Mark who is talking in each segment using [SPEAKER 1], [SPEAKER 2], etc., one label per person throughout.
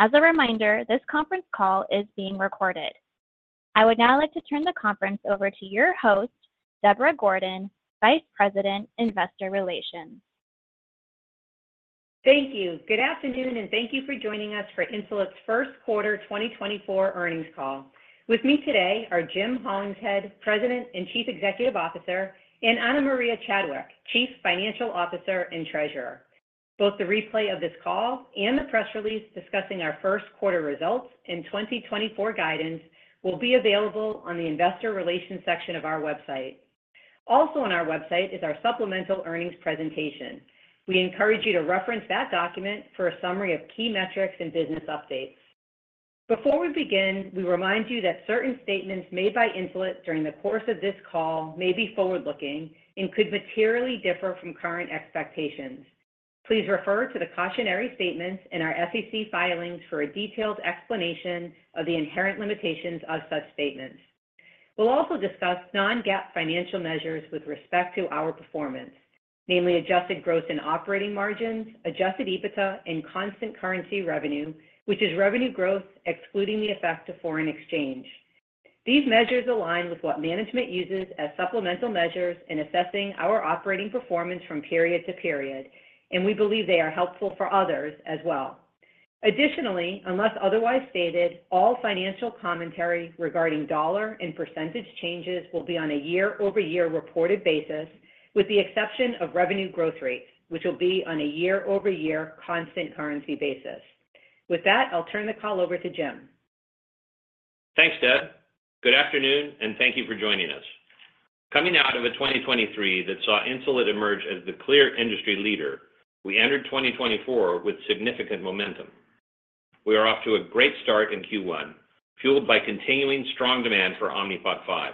[SPEAKER 1] `As a reminder, this conference call is being recorded. I would now like to turn the conference over to your host, Deborah Gordon, Vice President, Investor Relations.
[SPEAKER 2] Thank you. Good afternoon, and thank you for joining us for Insulet's first quarter 2024 earnings call. With me today are Jim Hollingshead, President and Chief Executive Officer, and Ana Maria Chadwick, Chief Financial Officer and Treasurer. Both the replay of this call and the press release discussing our first quarter results and 2024 guidance will be available on the Investor Relations section of our website. Also on our website is our supplemental earnings presentation. We encourage you to reference that document for a summary of key metrics and business updates. Before we begin, we remind you that certain statements made by Insulet during the course of this call may be forward-looking and could materially differ from current expectations. Please refer to the cautionary statements in our SEC filings for a detailed explanation of the inherent limitations of such statements. We'll also discuss non-GAAP financial measures with respect to our performance, namely adjusted growth in operating margins, adjusted EBITDA, and constant currency revenue, which is revenue growth excluding the effect of foreign exchange. These measures align with what management uses as supplemental measures in assessing our operating performance from period to period, and we believe they are helpful for others as well. Additionally, unless otherwise stated, all financial commentary regarding dollar and percentage changes will be on a year-over-year reported basis, with the exception of revenue growth rates, which will be on a year-over-year constant currency basis. With that, I'll turn the call over to Jim.
[SPEAKER 3] Thanks, Deb. Good afternoon, and thank you for joining us. Coming out of a 2023 that saw Insulet emerge as the clear industry leader, we entered 2024 with significant momentum. We are off to a great start in Q1, fueled by continuing strong demand for Omnipod 5.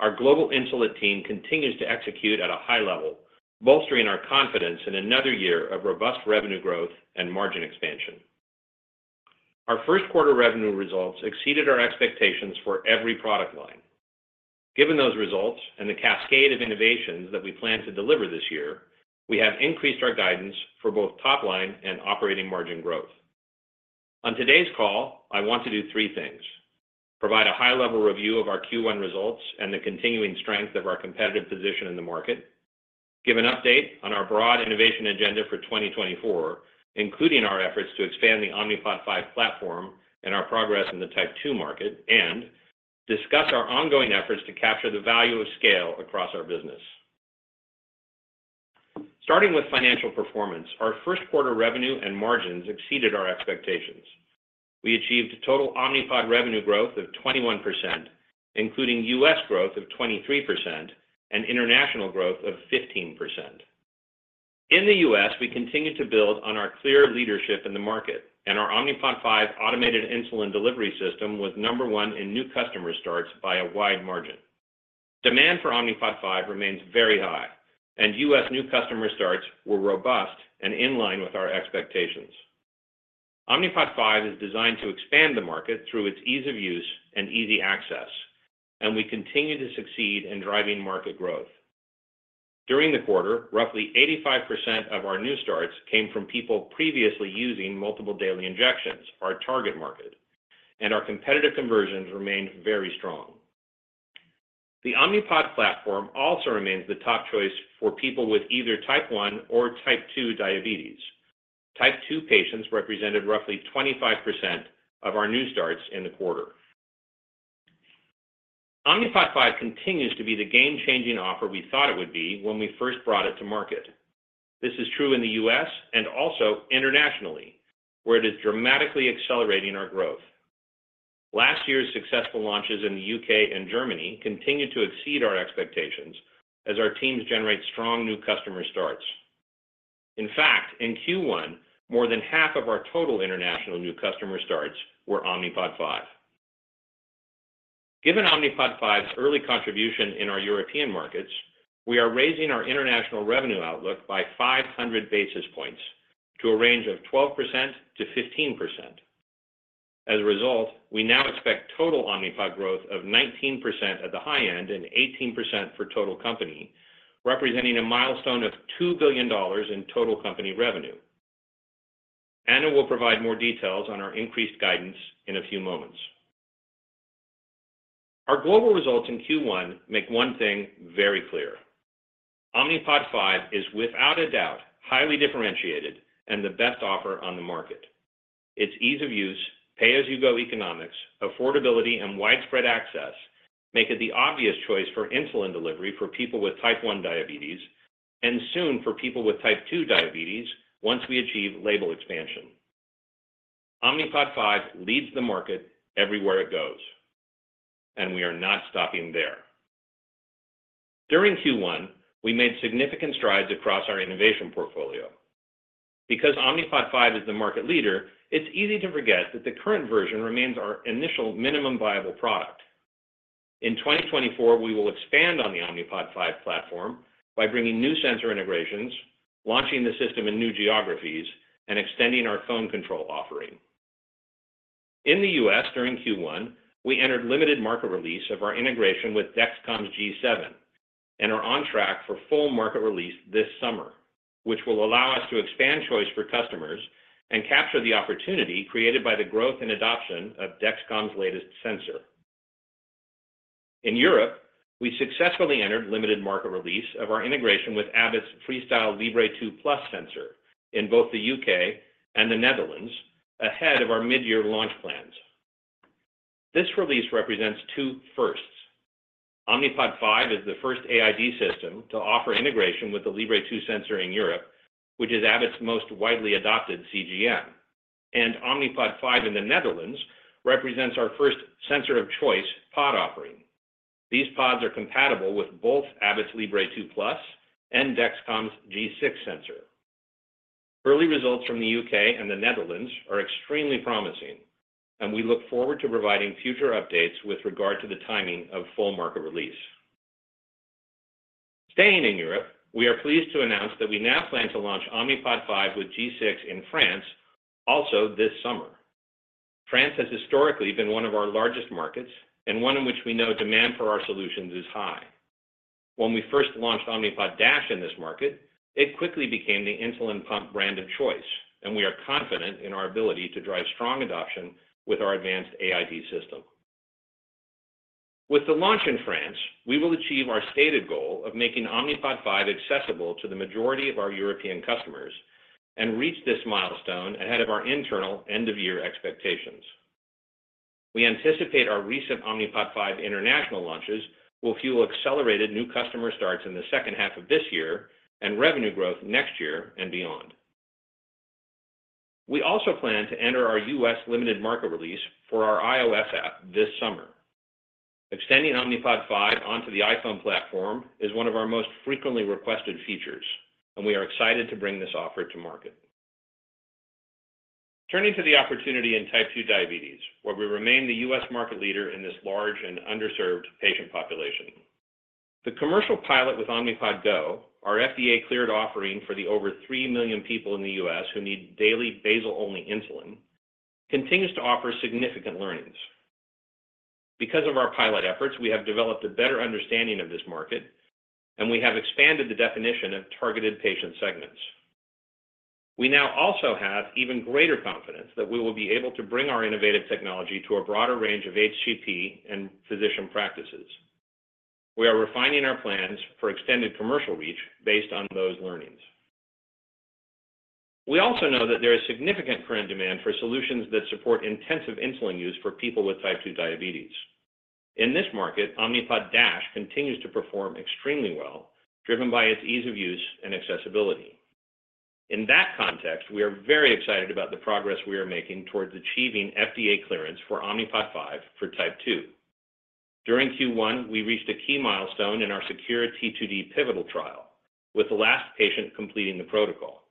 [SPEAKER 3] Our global Insulet team continues to execute at a high level, bolstering our confidence in another year of robust revenue growth and margin expansion. Our first quarter revenue results exceeded our expectations for every product line. Given those results and the cascade of innovations that we plan to deliver this year, we have increased our guidance for both top line and operating margin growth. On today's call, I want to do three things: provide a high-level review of our Q1 results and the continuing strength of our competitive position in the market, give an update on our broad innovation agenda for 2024, including our efforts to expand the Omnipod 5 platform and our progress in the Type 2 market, and discuss our ongoing efforts to capture the value of scale across our business. Starting with financial performance, our first quarter revenue and margins exceeded our expectations. We achieved total Omnipod revenue growth of 21%, including U.S. growth of 23% and international growth of 15%. In the U.S., we continue to build on our clear leadership in the market and our Omnipod 5 automated insulin delivery system with number one in new customer starts by a wide margin. Demand for Omnipod 5 remains very high, and U.S. new customer starts were robust and in line with our expectations. Omnipod 5 is designed to expand the market through its ease of use and easy access, and we continue to succeed in driving market growth. During the quarter, roughly 85% of our new starts came from people previously using multiple daily injections, our target market, and our competitive conversions remained very strong. The Omnipod platform also remains the top choice for people with either Type 1 or Type 2 diabetes. Type 2 patients represented roughly 25% of our new starts in the quarter. Omnipod 5 continues to be the game-changing offer we thought it would be when we first brought it to market. This is true in the U.S. and also internationally, where it is dramatically accelerating our growth. Last year's successful launches in the U.K. and Germany continue to exceed our expectations as our teams generate strong new customer starts. In fact, in Q1, more than half of our total international new customer starts were Omnipod 5. Given Omnipod 5's early contribution in our European markets, we are raising our international revenue outlook by 500 basis points to a range of 12%-15%. As a result, we now expect total Omnipod growth of 19% at the high end and 18% for total company, representing a milestone of $2 billion in total company revenue. Ana will provide more details on our increased guidance in a few moments. Our global results in Q1 make one thing very clear: Omnipod 5 is, without a doubt, highly differentiated and the best offer on the market. Its ease of use, pay-as-you-go economics, affordability, and widespread access make it the obvious choice for insulin delivery for people with Type 1 diabetes and soon for people with Type 2 diabetes once we achieve label expansion. Omnipod 5 leads the market everywhere it goes, and we are not stopping there. During Q1, we made significant strides across our innovation portfolio. Because Omnipod 5 is the market leader, it's easy to forget that the current version remains our initial minimum viable product. In 2024, we will expand on the Omnipod 5 platform by bringing new sensor integrations, launching the system in new geographies, and extending our phone control offering. In the U.S., during Q1, we entered limited market release of our integration with Dexcom's G7 and are on track for full market release this summer, which will allow us to expand choice for customers and capture the opportunity created by the growth and adoption of Dexcom's latest sensor. In Europe, we successfully entered limited market release of our integration with Abbott's FreeStyle Libre 2+ sensor in both the U.K. and the Netherlands, ahead of our mid-year launch plans. This release represents two firsts. Omnipod 5 is the first AID system to offer integration with the Libre 2 sensor in Europe, which is Abbott's most widely adopted CGM, and Omnipod 5 in the Netherlands represents our first sensor-of-choice pod offering. These pods are compatible with both Abbott's Libre 2+ and Dexcom's G6 sensor. Early results from the U.K. and the Netherlands are extremely promising, and we look forward to providing future updates with regard to the timing of full market release. Staying in Europe, we are pleased to announce that we now plan to launch Omnipod 5 with G6 in France also this summer. France has historically been one of our largest markets and one in which we know demand for our solutions is high. When we first launched Omnipod DASH in this market, it quickly became the insulin pump brand of choice, and we are confident in our ability to drive strong adoption with our advanced AID system. With the launch in France, we will achieve our stated goal of making Omnipod 5 accessible to the majority of our European customers and reach this milestone ahead of our internal end-of-year expectations. We anticipate our recent Omnipod 5 international launches will fuel accelerated new customer starts in the second half of this year and revenue growth next year and beyond. We also plan to enter our U.S. limited market release for our iOS app this summer. Extending Omnipod 5 onto the iPhone platform is one of our most frequently requested features, and we are excited to bring this offer to market. Turning to the opportunity in Type 2 diabetes, where we remain the U.S. market leader in this large and underserved patient population, the commercial pilot with Omnipod GO, our FDA-cleared offering for the over 3 million people in the U.S. who need daily basal-only insulin, continues to offer significant learnings. Because of our pilot efforts, we have developed a better understanding of this market, and we have expanded the definition of targeted patient segments. We now also have even greater confidence that we will be able to bring our innovative technology to a broader range of HCP and physician practices. We are refining our plans for extended commercial reach based on those learnings. We also know that there is significant current demand for solutions that support intensive insulin use for people with Type 2 diabetes. In this market, Omnipod DASH continues to perform extremely well, driven by its ease of use and accessibility. In that context, we are very excited about the progress we are making towards achieving FDA clearance for Omnipod 5 for Type 2. During Q1, we reached a key milestone in our SECURE-T2D pivotal trial, with the last patient completing the protocol.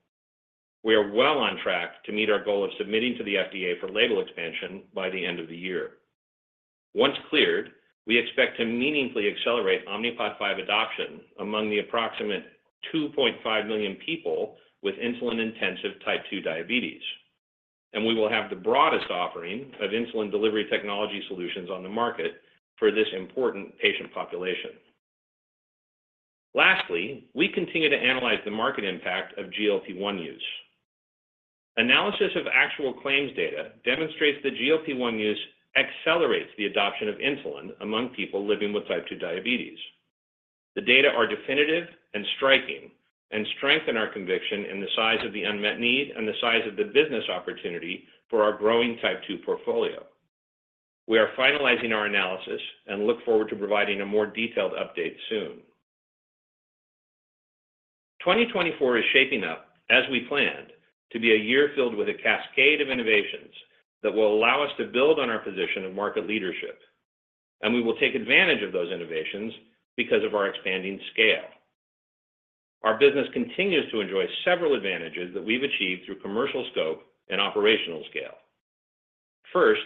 [SPEAKER 3] We are well on track to meet our goal of submitting to the FDA for label expansion by the end of the year. Once cleared, we expect to meaningfully accelerate Omnipod 5 adoption among the approximate 2.5 million people with insulin-intensive Type 2 diabetes, and we will have the broadest offering of insulin delivery technology solutions on the market for this important patient population. Lastly, we continue to analyze the market impact of GLP-1 use. Analysis of actual claims data demonstrates that GLP-1 use accelerates the adoption of insulin among people living with Type 2 diabetes. The data are definitive and striking and strengthen our conviction in the size of the unmet need and the size of the business opportunity for our growing Type 2 portfolio. We are finalizing our analysis and look forward to providing a more detailed update soon. 2024 is shaping up, as we planned, to be a year filled with a cascade of innovations that will allow us to build on our position of market leadership, and we will take advantage of those innovations because of our expanding scale. Our business continues to enjoy several advantages that we've achieved through commercial scope and operational scale. First,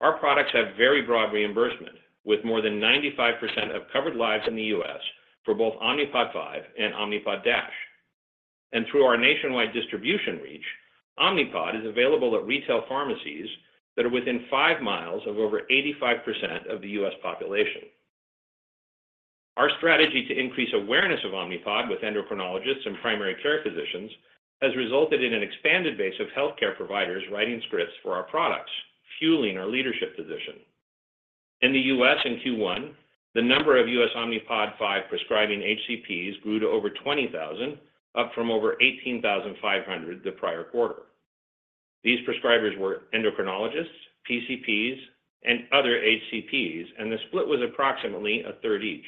[SPEAKER 3] our products have very broad reimbursement, with more than 95% of covered lives in the U.S. for both Omnipod 5 and Omnipod DASH. Through our nationwide distribution reach, Omnipod is available at retail pharmacies that are within five miles of over 85% of the U.S. population. Our strategy to increase awareness of Omnipod with endocrinologists and primary care physicians has resulted in an expanded base of healthcare providers writing scripts for our products, fueling our leadership position. In the US in Q1, the number of U.S. Omnipod 5 prescribing HCPs grew to over 20,000, up from over 18,500 the prior quarter. These prescribers were endocrinologists, PCPs, and other HCPs, and the split was approximately a third each.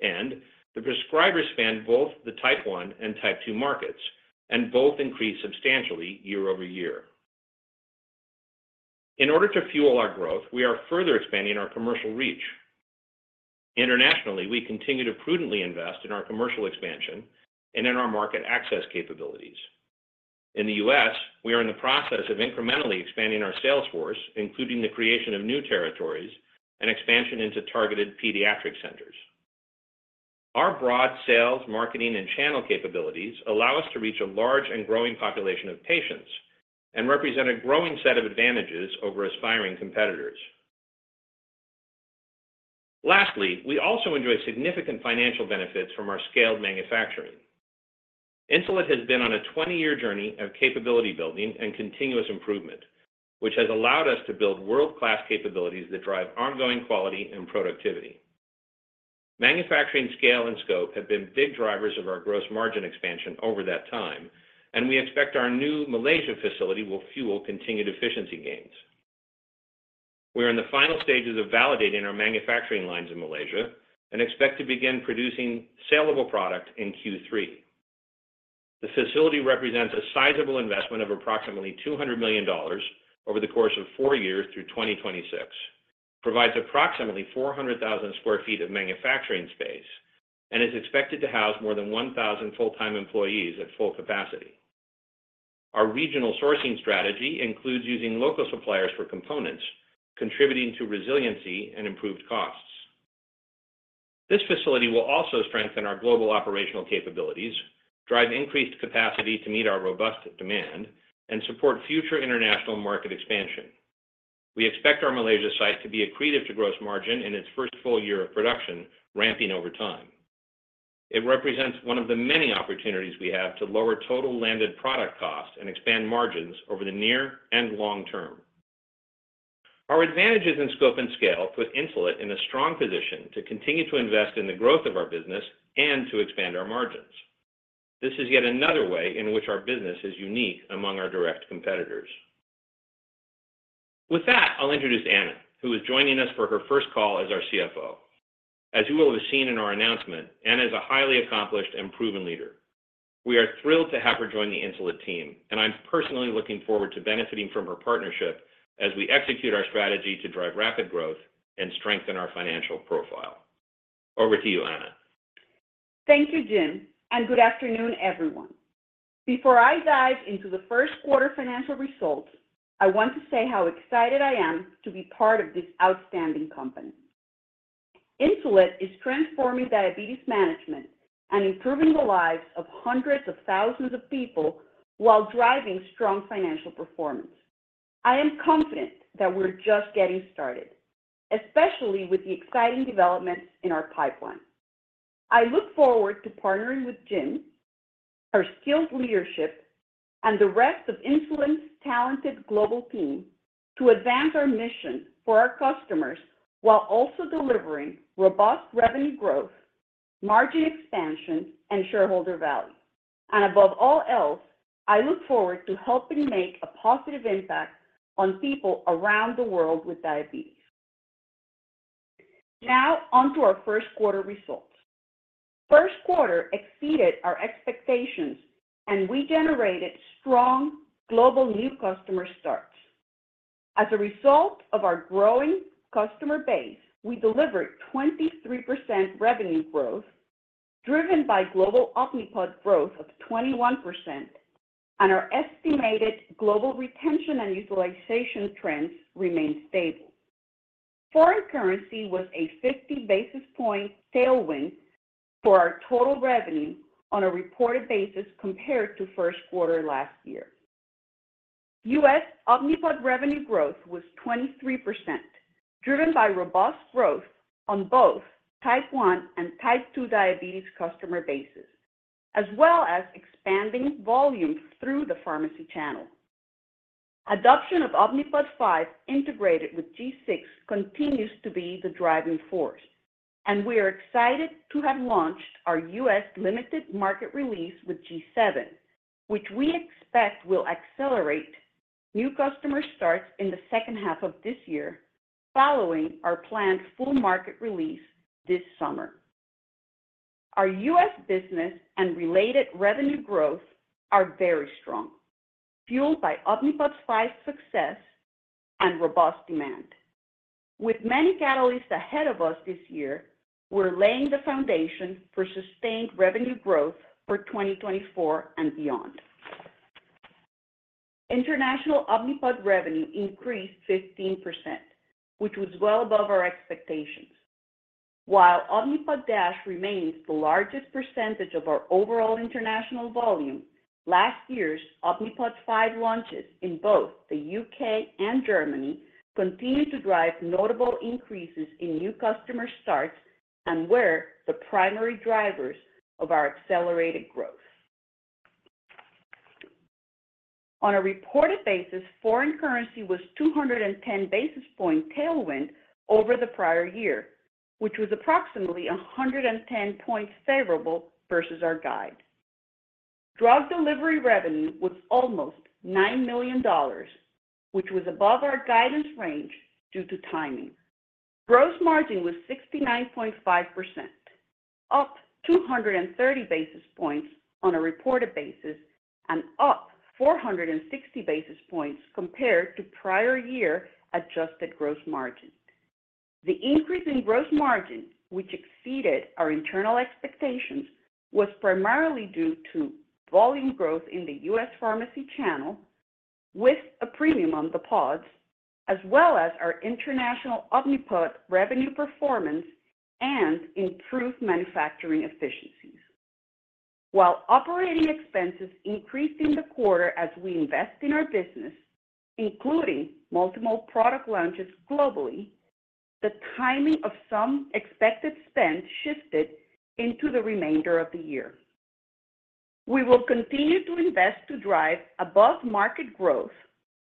[SPEAKER 3] The prescribers spanned both the Type 1 and Type 2 markets and both increased substantially year-over-year. In order to fuel our growth, we are further expanding our commercial reach. Internationally, we continue to prudently invest in our commercial expansion and in our market access capabilities. In the U.S., we are in the process of incrementally expanding our sales force, including the creation of new territories and expansion into targeted pediatric centers. Our broad sales, marketing, and channel capabilities allow us to reach a large and growing population of patients and represent a growing set of advantages over aspiring competitors. Lastly, we also enjoy significant financial benefits from our scaled manufacturing. Insulet has been on a 20-year journey of capability building and continuous improvement, which has allowed us to build world-class capabilities that drive ongoing quality and productivity. Manufacturing scale and scope have been big drivers of our gross margin expansion over that time, and we expect our new Malaysia facility will fuel continued efficiency gains. We are in the final stages of validating our manufacturing lines in Malaysia and expect to begin producing saleable product in Q3. The facility represents a sizable investment of approximately $200 million over the course of four years through 2026, provides approximately 400,000 sq ft of manufacturing space, and is expected to house more than 1,000 full-time employees at full capacity. Our regional sourcing strategy includes using local suppliers for components, contributing to resiliency and improved costs. This facility will also strengthen our global operational capabilities, drive increased capacity to meet our robust demand, and support future international market expansion. We expect our Malaysia site to be accretive to gross margin in its first full year of production, ramping over time. It represents one of the many opportunities we have to lower total landed product cost and expand margins over the near and long term. Our advantages in scope and scale put Insulet in a strong position to continue to invest in the growth of our business and to expand our margins. This is yet another way in which our business is unique among our direct competitors. With that, I'll introduce Ana, who is joining us for her first call as our CFO. As you will have seen in our announcement, Ana is a highly accomplished and proven leader. We are thrilled to have her join the Insulet team, and I'm personally looking forward to benefiting from her partnership as we execute our strategy to drive rapid growth and strengthen our financial profile. Over to you, Ana.
[SPEAKER 4] Thank you, Jim, and good afternoon, everyone. Before I dive into the first quarter financial results, I want to say how excited I am to be part of this outstanding company. Insulet is transforming diabetes management and improving the lives of hundreds of thousands of people while driving strong financial performance. I am confident that we're just getting started, especially with the exciting developments in our pipeline. I look forward to partnering with Jim, his skilled leadership, and the rest of Insulet's talented global team to advance our mission for our customers while also delivering robust revenue growth, margin expansion, and shareholder value. And above all else, I look forward to helping make a positive impact on people around the world with diabetes. Now onto our first quarter results. First quarter exceeded our expectations, and we generated strong global new customer starts. As a result of our growing customer base, we delivered 23% revenue growth, driven by global Omnipod growth of 21%, and our estimated global retention and utilization trends remain stable. Foreign currency was a 50 basis point tailwind for our total revenue on a reported basis compared to first quarter last year. U.S. Omnipod revenue growth was 23%, driven by robust growth on both Type 1 and Type 2 diabetes customer bases, as well as expanding volume through the pharmacy channel. Adoption of Omnipod 5 integrated with G6 continues to be the driving force, and we are excited to have launched our U.S. limited market release with G7, which we expect will accelerate new customer starts in the second half of this year following our planned full market release this summer. Our U.S. business and related revenue growth are very strong, fueled by Omnipod 5's success and robust demand. With many catalysts ahead of us this year, we're laying the foundation for sustained revenue growth for 2024 and beyond. International Omnipod revenue increased 15%, which was well above our expectations. While Omnipod DASH remains the largest percentage of our overall international volume, last year's Omnipod 5 launches in both the U.K. and Germany continue to drive notable increases in new customer starts and were the primary drivers of our accelerated growth. On a reported basis, foreign currency was 210 basis points tailwind over the prior year, which was approximately 110 points favorable versus our guide. Drug delivery revenue was almost $9 million, which was above our guidance range due to timing. Gross margin was 69.5%, up 230 basis points on a reported basis and up 460 basis points compared to prior year adjusted gross margin. The increase in gross margin, which exceeded our internal expectations, was primarily due to volume growth in the U.S. pharmacy channel with a premium on the pods, as well as our international Omnipod revenue performance and improved manufacturing efficiencies. While operating expenses increased in the quarter as we invest in our business, including multiple product launches globally, the timing of some expected spend shifted into the remainder of the year. We will continue to invest to drive above-market growth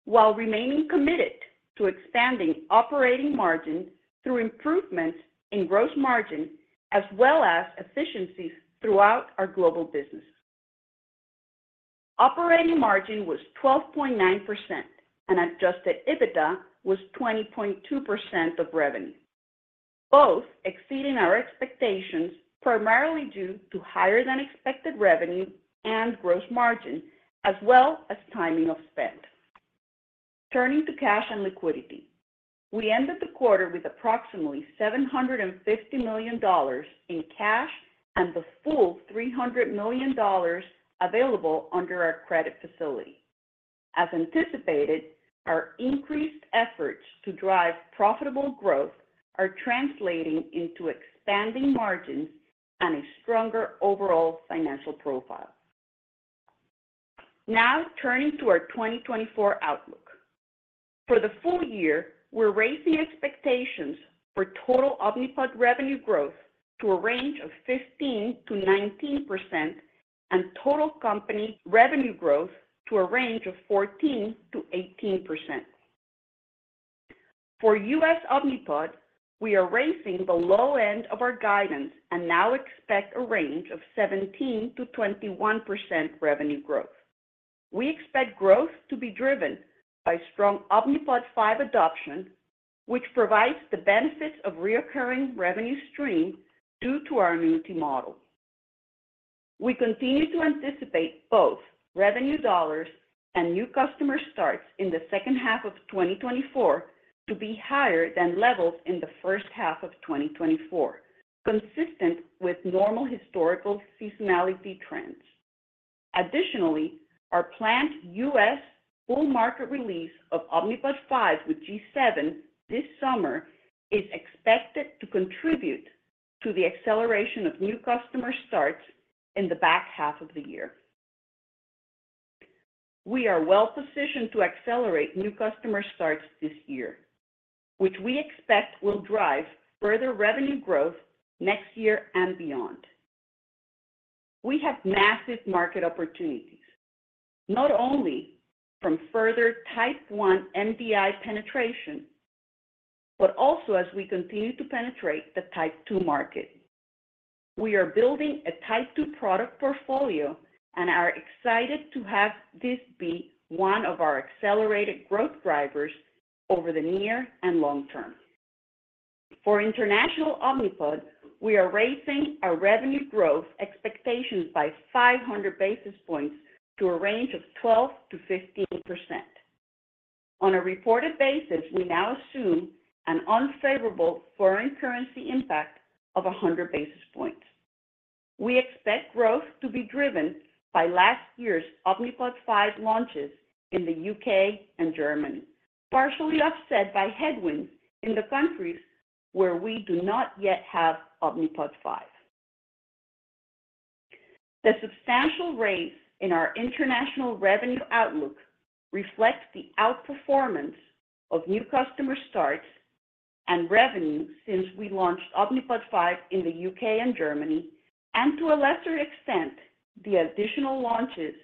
[SPEAKER 4] while remaining committed to expanding operating margin through improvements in gross margin as well as efficiencies throughout our global business. Operating margin was 12.9%, and adjusted EBITDA was 20.2% of revenue, both exceeding our expectations primarily due to higher-than-expected revenue and gross margin, as well as timing of spend. Turning to cash and liquidity, we ended the quarter with approximately $750 million in cash and the full $300 million available under our credit facility. As anticipated, our increased efforts to drive profitable growth are translating into expanding margins and a stronger overall financial profile. Now turning to our 2024 outlook. For the full year, we're raising expectations for total Omnipod revenue growth to a range of 15%-19% and total company revenue growth to a range of 14%-18%. For U.S. Omnipod, we are raising the low end of our guidance and now expect a range of 17%-21% revenue growth. We expect growth to be driven by strong Omnipod 5 adoption, which provides the benefits of recurring revenue stream due to our annuity model. We continue to anticipate both revenue dollars and new customer starts in the second half of 2024 to be higher than levels in the first half of 2024, consistent with normal historical seasonality trends. Additionally, our planned U.S. full market release of Omnipod 5 with G7 this summer is expected to contribute to the acceleration of new customer starts in the back half of the year. We are well positioned to accelerate new customer starts this year, which we expect will drive further revenue growth next year and beyond. We have massive market opportunities, not only from further Type 1 MDI penetration, but also as we continue to penetrate the Type 2 market. We are building a Type 2 product portfolio and are excited to have this be one of our accelerated growth drivers over the near and long term. For international Omnipod, we are raising our revenue growth expectations by 500 basis points to a range of 12%-15%. On a reported basis, we now assume an unfavorable foreign currency impact of 100 basis points. We expect growth to be driven by last year's Omnipod 5 launches in the U.K. and Germany, partially offset by headwinds in the countries where we do not yet have Omnipod 5. The substantial raise in our international revenue outlook reflects the outperformance of new customer starts and revenue since we launched Omnipod 5 in the U.K. and Germany, and to a lesser extent, the additional launches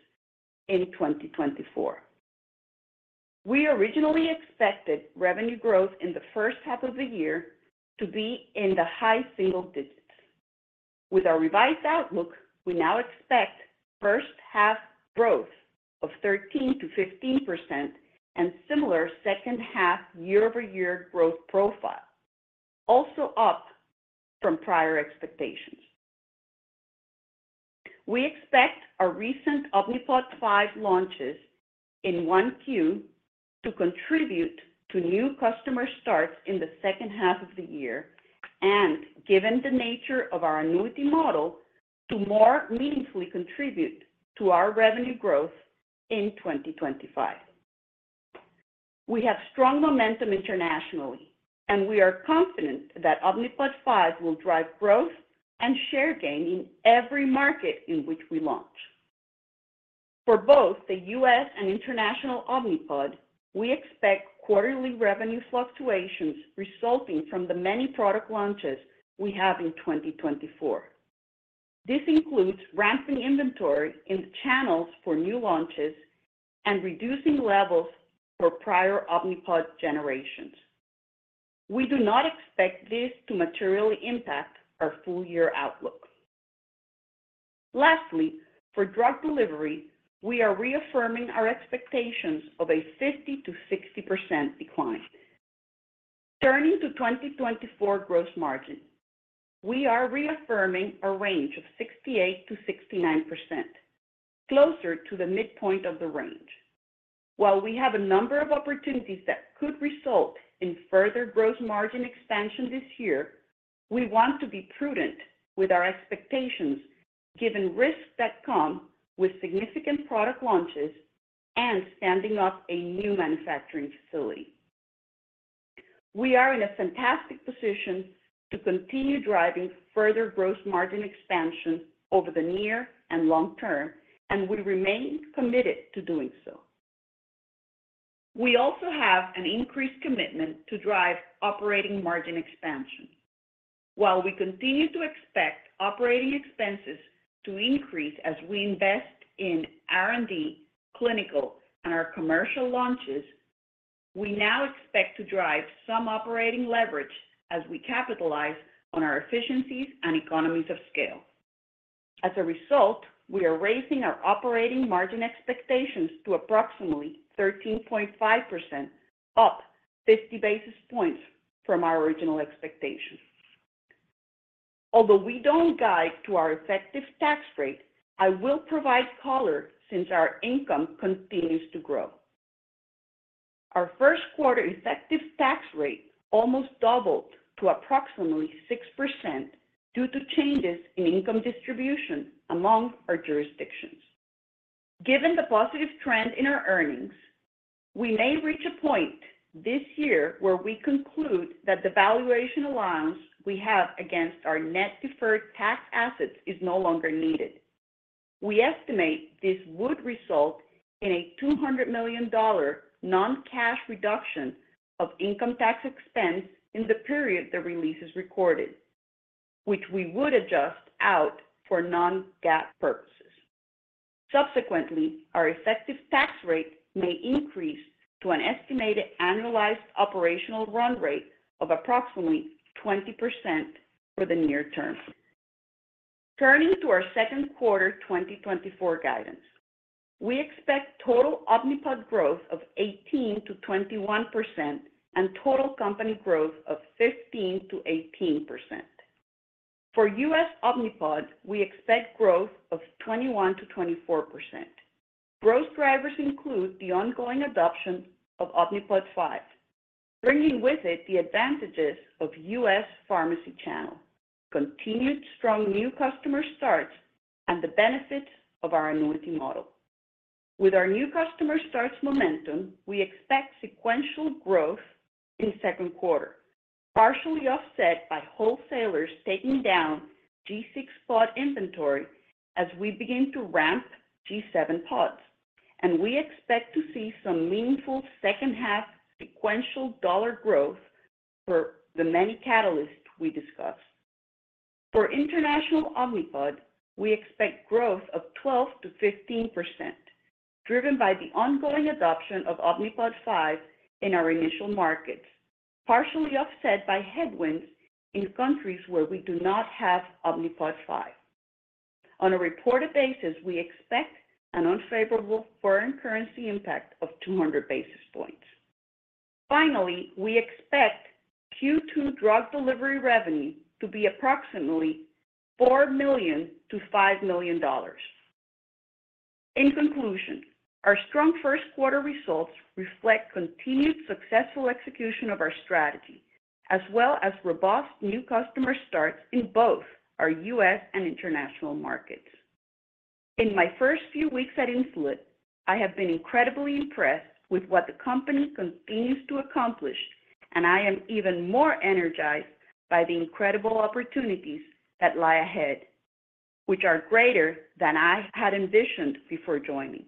[SPEAKER 4] in 2024. We originally expected revenue growth in the first half of the year to be in the high single digits. With our revised outlook, we now expect first-half growth of 13%-15% and similar second-half year-over-year growth profile, also up from prior expectations. We expect our recent Omnipod 5 launches in U.K. to contribute to new customer starts in the second half of the year and, given the nature of our annuity model, to more meaningfully contribute to our revenue growth in 2025. We have strong momentum internationally, and we are confident that Omnipod 5 will drive growth and share gain in every market in which we launch. For both the U.S. and international Omnipod, we expect quarterly revenue fluctuations resulting from the many product launches we have in 2024. This includes ramping inventory in the channels for new launches and reducing levels for prior Omnipod generations. We do not expect this to materially impact our full-year outlook. Lastly, for drug delivery, we are reaffirming our expectations of a 50%-60% decline. Turning to 2024 gross margin, we are reaffirming a range of 68%-69%, closer to the midpoint of the range. While we have a number of opportunities that could result in further gross margin expansion this year, we want to be prudent with our expectations given risks that come with significant product launches and standing up a new manufacturing facility. We are in a fantastic position to continue driving further gross margin expansion over the near and long term, and we remain committed to doing so. We also have an increased commitment to drive operating margin expansion. While we continue to expect operating expenses to increase as we invest in R&D, clinical, and our commercial launches, we now expect to drive some operating leverage as we capitalize on our efficiencies and economies of scale. As a result, we are raising our operating margin expectations to approximately 13.5%, up 50 basis points from our original expectation. Although we don't guide to our effective tax rate, I will provide color since our income continues to grow. Our first quarter effective tax rate almost doubled to approximately 6% due to changes in income distribution among our jurisdictions. Given the positive trend in our earnings, we may reach a point this year where we conclude that the valuation allowance we have against our net deferred tax assets is no longer needed. We estimate this would result in a $200 million non-cash reduction of income tax expense in the period the release is recorded, which we would adjust out for non-GAAP purposes. Subsequently, our effective tax rate may increase to an estimated annualized operational run rate of approximately 20% for the near term. Turning to our second quarter 2024 guidance, we expect total Omnipod growth of 18%-21% and total company growth of 15%-18%. For U.S. Omnipod, we expect growth of 21%-24%. Growth drivers include the ongoing adoption of Omnipod 5, bringing with it the advantages of U.S. pharmacy channel, continued strong new customer starts, and the benefits of our annuity model. With our new customer starts momentum, we expect sequential growth in second quarter, partially offset by wholesalers taking down G6 pod inventory as we begin to ramp G7 pods, and we expect to see some meaningful second-half sequential dollar growth for the many catalysts we discussed. For international Omnipod, we expect growth of 12%-15%, driven by the ongoing adoption of Omnipod 5 in our initial markets, partially offset by headwinds in countries where we do not have Omnipod 5. On a reported basis, we expect an unfavorable foreign currency impact of 200 basis points. Finally, we expect Q2 drug delivery revenue to be approximately $4 million-$5 million. In conclusion, our strong first quarter results reflect continued successful execution of our strategy, as well as robust new customer starts in both our U.S. and international markets. In my first few weeks at Insulet, I have been incredibly impressed with what the company continues to accomplish, and I am even more energized by the incredible opportunities that lie ahead, which are greater than I had envisioned before joining.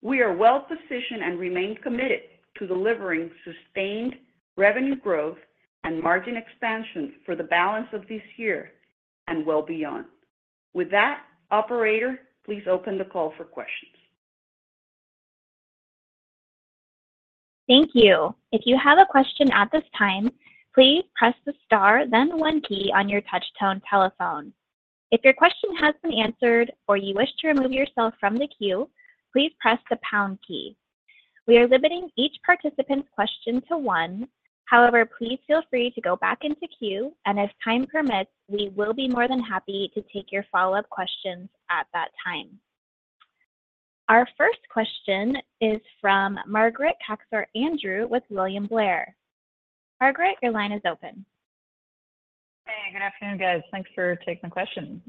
[SPEAKER 4] We are well positioned and remain committed to delivering sustained revenue growth and margin expansion for the balance of this year and well beyond. With that, operator, please open the call for questions.
[SPEAKER 1] Thank you. If you have a question at this time, please press the star, then one key on your touch-tone telephone. If your question has been answered or you wish to remove yourself from the queue, please press the pound key. We are limiting each participant's question to one. However, please feel free to go back into queue, and if time permits, we will be more than happy to take your follow-up questions at that time. Our first question is from Margaret Kaczor Andrew with William Blair. Margaret, your line is open.
[SPEAKER 5] Hey, good afternoon, guys. Thanks for taking the question.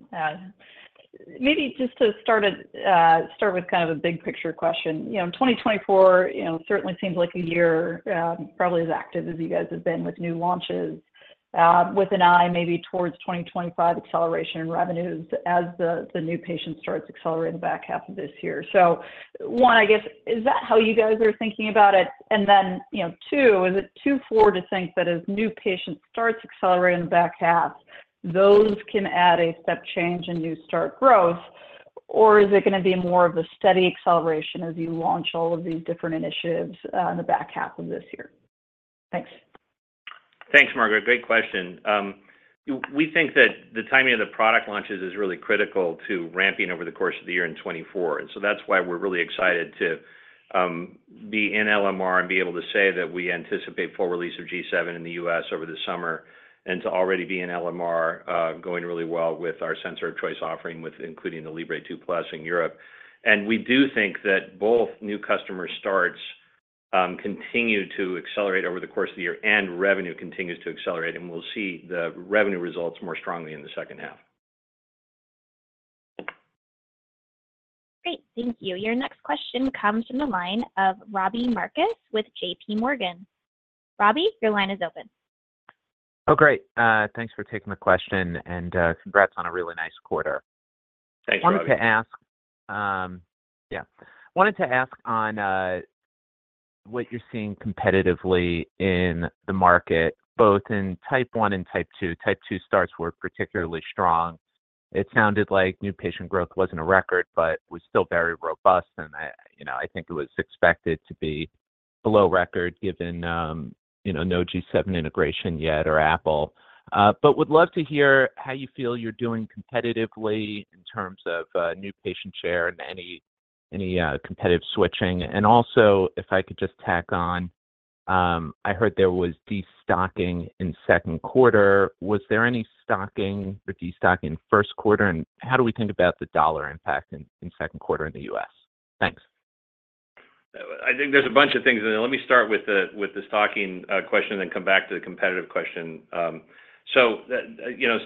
[SPEAKER 5] Maybe just to start with kind of a big picture question, 2024 certainly seems like a year probably as active as you guys have been with new launches, with an eye maybe towards 2025 acceleration in revenues as the new patient starts accelerating the back half of this year. So one, I guess, is that how you guys are thinking about it? And then two, is it too foolish to think that as new patient starts accelerating the back half, those can add a step change in new start growth, or is it going to be more of a steady acceleration as you launch all of these different initiatives in the back half of this year? Thanks.
[SPEAKER 3] Thanks, Margaret. Great question. We think that the timing of the product launches is really critical to ramping over the course of the year in 2024, and so that's why we're really excited to be in LMR and be able to say that we anticipate full release of G7 in the U.S. over the summer and to already be in LMR going really well with our sensor of choice offering, including the Libre 2+ in Europe. And we do think that both new customer starts continue to accelerate over the course of the year and revenue continues to accelerate, and we'll see the revenue results more strongly in the second half.
[SPEAKER 1] Great. Thank you. Your next question comes from the line of Robbie Marcus with JPMorgan. Robbie, your line is open.
[SPEAKER 6] Oh, great. Thanks for taking the question, and congrats on a really nice quarter.
[SPEAKER 3] Thanks, Robbie.
[SPEAKER 6] I wanted to ask, yeah, on what you're seeing competitively in the market, both in Type 1 and Type 2. Type 2 starts were particularly strong. It sounded like new patient growth wasn't a record but was still very robust, and I think it was expected to be below record given no G7 integration yet or Apple. But would love to hear how you feel you're doing competitively in terms of new patient share and any competitive switching. And also, if I could just tack on, I heard there was destocking in second quarter. Was there any stocking or destocking first quarter, and how do we think about the dollar impact in second quarter in the U.S.? Thanks.
[SPEAKER 3] I think there's a bunch of things, and let me start with the stocking question and then come back to the competitive question. So,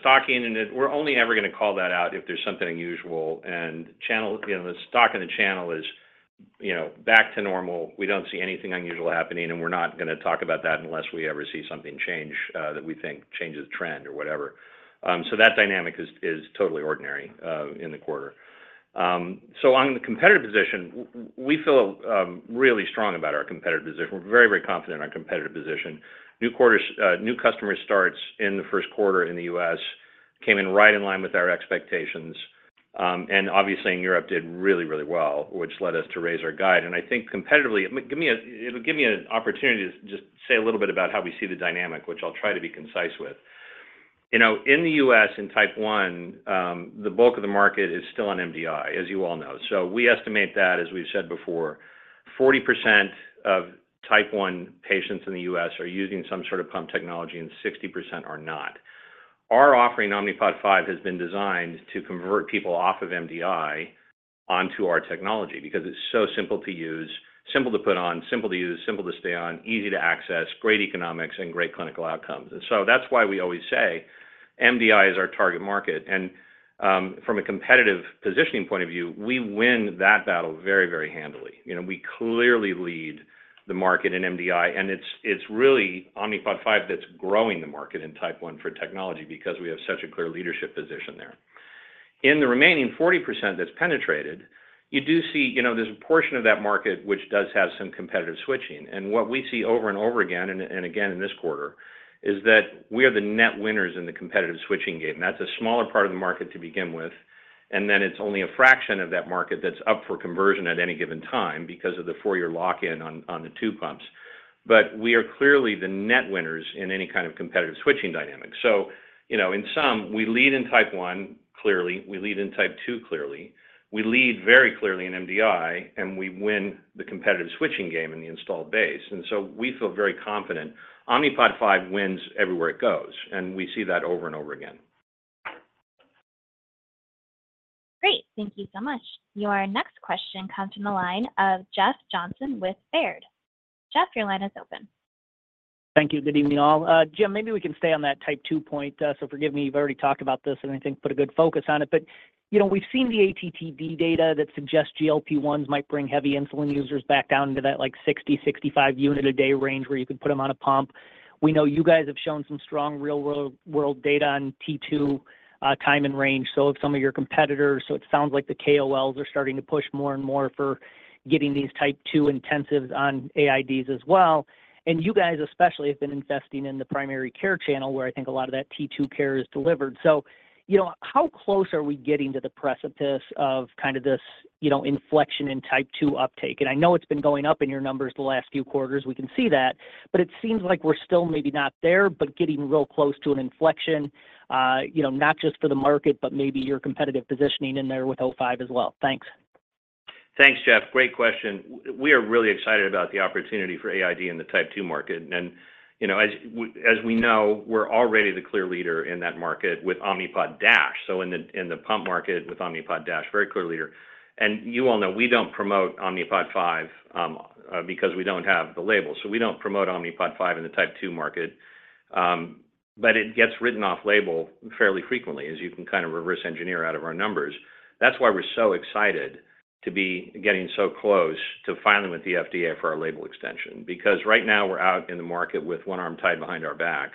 [SPEAKER 3] stocking, and we're only ever going to call that out if there's something unusual, and the stock in the channel is back to normal. We don't see anything unusual happening, and we're not going to talk about that unless we ever see something change that we think changes the trend or whatever. So that dynamic is totally ordinary in the quarter. So, on the competitive position, we feel really strong about our competitive position. We're very, very confident in our competitive position. New customer starts in the first quarter in the U.S. came in right in line with our expectations, and obviously, in Europe, did really, really well, which led us to raise our guide. I think competitively, it'll give me an opportunity to just say a little bit about how we see the dynamic, which I'll try to be concise with. In the U.S., in Type 1, the bulk of the market is still on MDI, as you all know. We estimate that, as we've said before, 40% of Type 1 patients in the U.S. are using some sort of pump technology, and 60% are not. Our offering, Omnipod 5, has been designed to convert people off of MDI onto our technology because it's so simple to use, simple to put on, simple to use, simple to stay on, easy to access, great economics, and great clinical outcomes. That's why we always say MDI is our target market. From a competitive positioning point of view, we win that battle very, very handily. We clearly lead the market in MDI, and it's really Omnipod 5 that's growing the market in Type 1 for technology because we have such a clear leadership position there. In the remaining 40% that's penetrated, you do see there's a portion of that market which does have some competitive switching. And what we see over and over again, and again in this quarter, is that we are the net winners in the competitive switching game. That's a smaller part of the market to begin with, and then it's only a fraction of that market that's up for conversion at any given time because of the four-year lock-in on the tube pumps. But we are clearly the net winners in any kind of competitive switching dynamic. So in sum, we lead in Type 1 clearly. We lead in Type 2 clearly. We lead very clearly in MDI, and we win the competitive switching game in the installed base. So we feel very confident Omnipod 5 wins everywhere it goes, and we see that over and over again.
[SPEAKER 1] Great. Thank you so much. Your next question comes from the line of Jeff Johnson with Baird. Jeff, your line is open.
[SPEAKER 7] Thank you. Good evening, all. Jim, maybe we can stay on that Type 2 point. So forgive me, you've already talked about this and I think put a good focus on it. But we've seen the ATTD data that suggests GLP-1s might bring heavy insulin users back down into that 60-65 unit a day range where you could put them on a pump. We know you guys have shown some strong real-world data on T2 time and range. So if some of your competitors so it sounds like the KOLs are starting to push more and more for getting these Type 2 intensives on AIDs as well. And you guys especially have been investing in the primary care channel where I think a lot of that T2 care is delivered. So how close are we getting to the precipice of kind of this inflection in Type 2 uptake? I know it's been going up in your numbers the last few quarters. We can see that, but it seems like we're still maybe not there but getting real close to an inflection, not just for the market, but maybe your competitive positioning in there with O5 as well. Thanks.
[SPEAKER 3] Thanks, Jeff. Great question. We are really excited about the opportunity for AID in the Type 2 market. As we know, we're already the clear leader in that market with Omnipod. In the pump market with Omnipod, very clear leader. You all know we don't promote Omnipod 5 because we don't have the label. We don't promote Omnipod 5 in the Type 2 market. But it gets written off label fairly frequently, as you can kind of reverse engineer out of our numbers. That's why we're so excited to be getting so close to filing with the FDA for our label extension because right now, we're out in the market with one arm tied behind our back.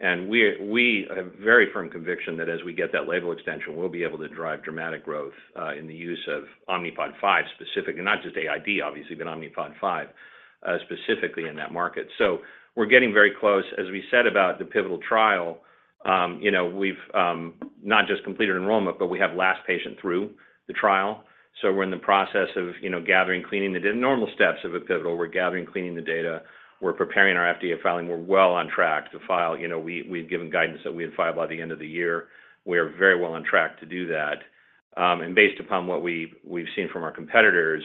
[SPEAKER 3] We have very firm conviction that as we get that label extension, we'll be able to drive dramatic growth in the use of Omnipod 5 specifically, not just AID, obviously, but Omnipod 5 specifically in that market. So we're getting very close. As we said about the pivotal trial, we've not just completed enrollment, but we have last patient through the trial. So we're in the process of gathering, cleaning the normal steps of a pivotal. We're gathering, cleaning the data. We're preparing our FDA filing. We're well on track to file. We'd given guidance that we would file by the end of the year. We are very well on track to do that. And based upon what we've seen from our competitors,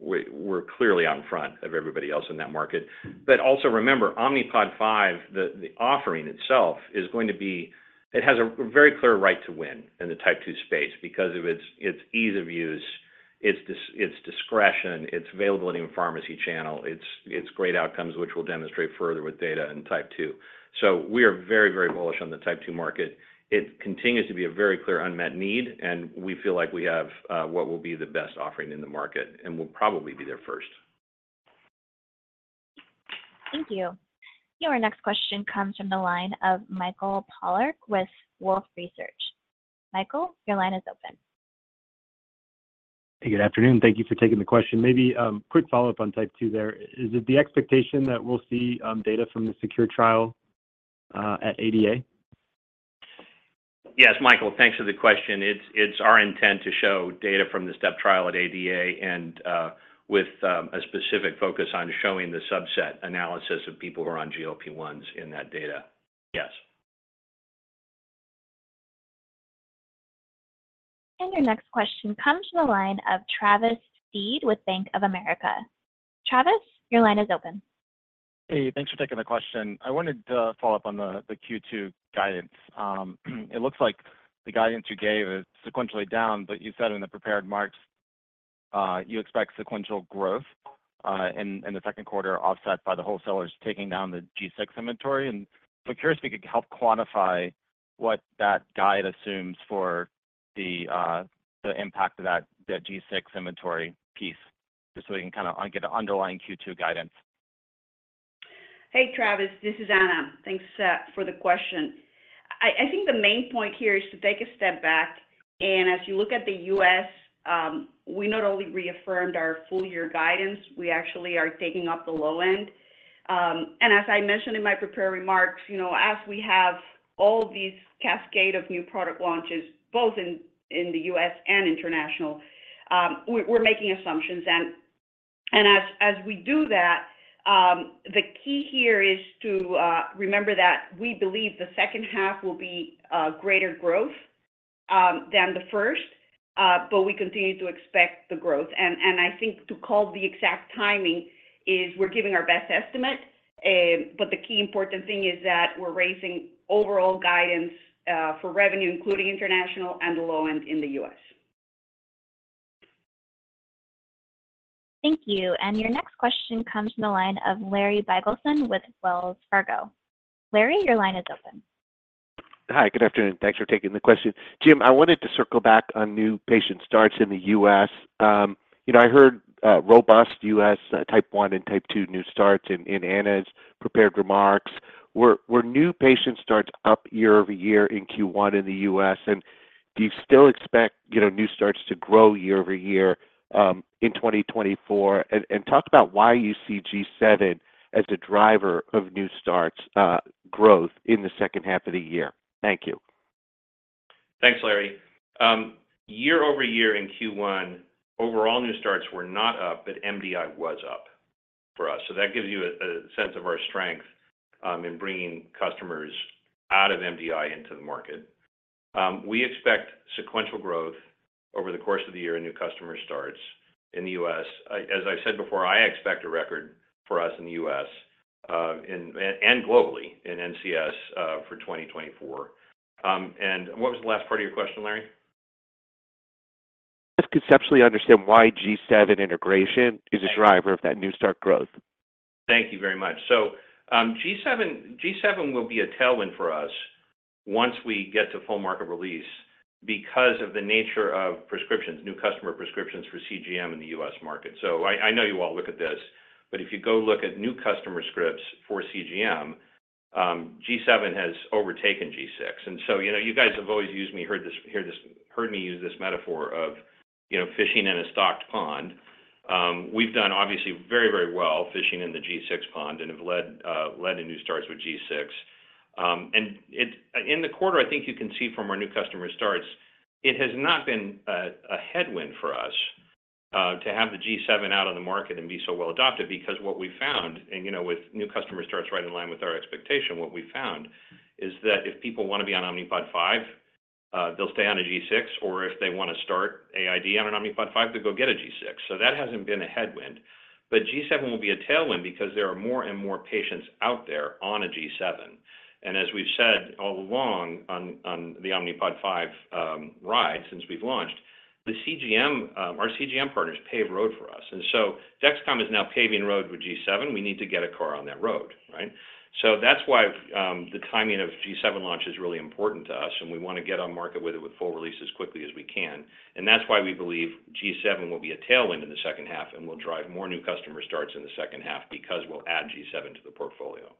[SPEAKER 3] we're clearly out in front of everybody else in that market. But also remember, Omnipod 5, the offering itself, is going to be it has a very clear right to win in the Type 2 space because of its ease of use, its discretion, its availability in pharmacy channel. It's great outcomes, which we'll demonstrate further with data in Type 2. So we are very, very bullish on the Type 2 market. It continues to be a very clear unmet need, and we feel like we have what will be the best offering in the market and will probably be there first.
[SPEAKER 1] Thank you. Your next question comes from the line of Michael Polark with Wolfe Research. Michael, your line is open.
[SPEAKER 8] Hey, good afternoon. Thank you for taking the question. Maybe quick follow-up on Type 2 there. Is it the expectation that we'll see data from the SECURE trial at ADA?
[SPEAKER 3] Yes, Michael, thanks for the question. It's our intent to show data from the study trial at ADA and with a specific focus on showing the subset analysis of people who are on GLP-1s in that data. Yes.
[SPEAKER 1] Your next question comes from the line of Travis Steed with Bank of America. Travis, your line is open.
[SPEAKER 9] Hey, thanks for taking the question. I wanted to follow up on the Q2 guidance. It looks like the guidance you gave is sequentially down, but you said in the prepared remarks, you expect sequential growth in the second quarter offset by the wholesalers taking down the G6 inventory. And I'm curious, if you could help quantify what that guide assumes for the impact of that G6 inventory piece just so we can kind of get an underlying Q2 guidance.
[SPEAKER 4] Hey, Travis. This is Ana. Thanks for the question. I think the main point here is to take a step back. As you look at the U.S., we not only reaffirmed our full-year guidance, we actually are taking up the low end. As I mentioned in my prepared remarks, as we have all of these cascade of new product launches, both in the U.S. and international, we're making assumptions. As we do that, the key here is to remember that we believe the second half will be greater growth than the first, but we continue to expect the growth. I think to call the exact timing is we're giving our best estimate, but the key important thing is that we're raising overall guidance for revenue, including international and the low end in the U.S.
[SPEAKER 1] Thank you. And your next question comes from the line of Larry Biegelsen with Wells Fargo. Larry, your line is open.
[SPEAKER 10] Hi, good afternoon. Thanks for taking the question. Jim, I wanted to circle back on new patient starts in the U.S. I heard robust U.S. Type 1 and Type 2 new starts in Ana prepared remarks. Were new patient starts up year-over-year in Q1 in the U.S.? And do you still expect new starts to grow year-over-year in 2024? And talk about why you see G7 as a driver of new starts growth in the second half of the year. Thank you. Thanks, Larry. Year-over-year in Q1, overall new starts were not up, but MDI was up for us. So that gives you a sense of our strength in bringing customers out of MDI into the market. We expect sequential growth over the course of the year in new customer starts in the U.S.
[SPEAKER 3] As I've said before, I expect a record for us in the U.S. and globally in NCS for 2024. What was the last part of your question, Larry?
[SPEAKER 10] Just conceptually understand why G7 integration is a driver of that new start growth.
[SPEAKER 3] Thank you very much. So G7 will be a tailwind for us once we get to full-market release because of the nature of prescriptions, new customer prescriptions for CGM in the U.S. market. So I know you all look at this, but if you go look at new customer scripts for CGM, G7 has overtaken G6. And so you guys have always heard me use this metaphor of fishing in a stocked pond. We've done, obviously, very, very well fishing in the G6 pond and have led to new starts with G6. In the quarter, I think you can see from our new customer starts, it has not been a headwind for us to have the G7 out on the market and be so well adopted because what we found, and with new customer starts right in line with our expectation, what we found is that if people want to be on Omnipod 5, they'll stay on a G6, or if they want to start AID on an Omnipod 5, they'll go get a G6. So that hasn't been a headwind. But G7 will be a tailwind because there are more and more patients out there on a G7. And as we've said all along on the Omnipod 5 ride since we've launched, our CGM partners pave road for us. And so Dexcom is now paving road with G7. We need to get a car on that road, right? So that's why the timing of G7 launch is really important to us, and we want to get on market with it with full release as quickly as we can. And that's why we believe G7 will be a tailwind in the second half, and we'll drive more new customer starts in the second half because we'll add G7 to the portfolio.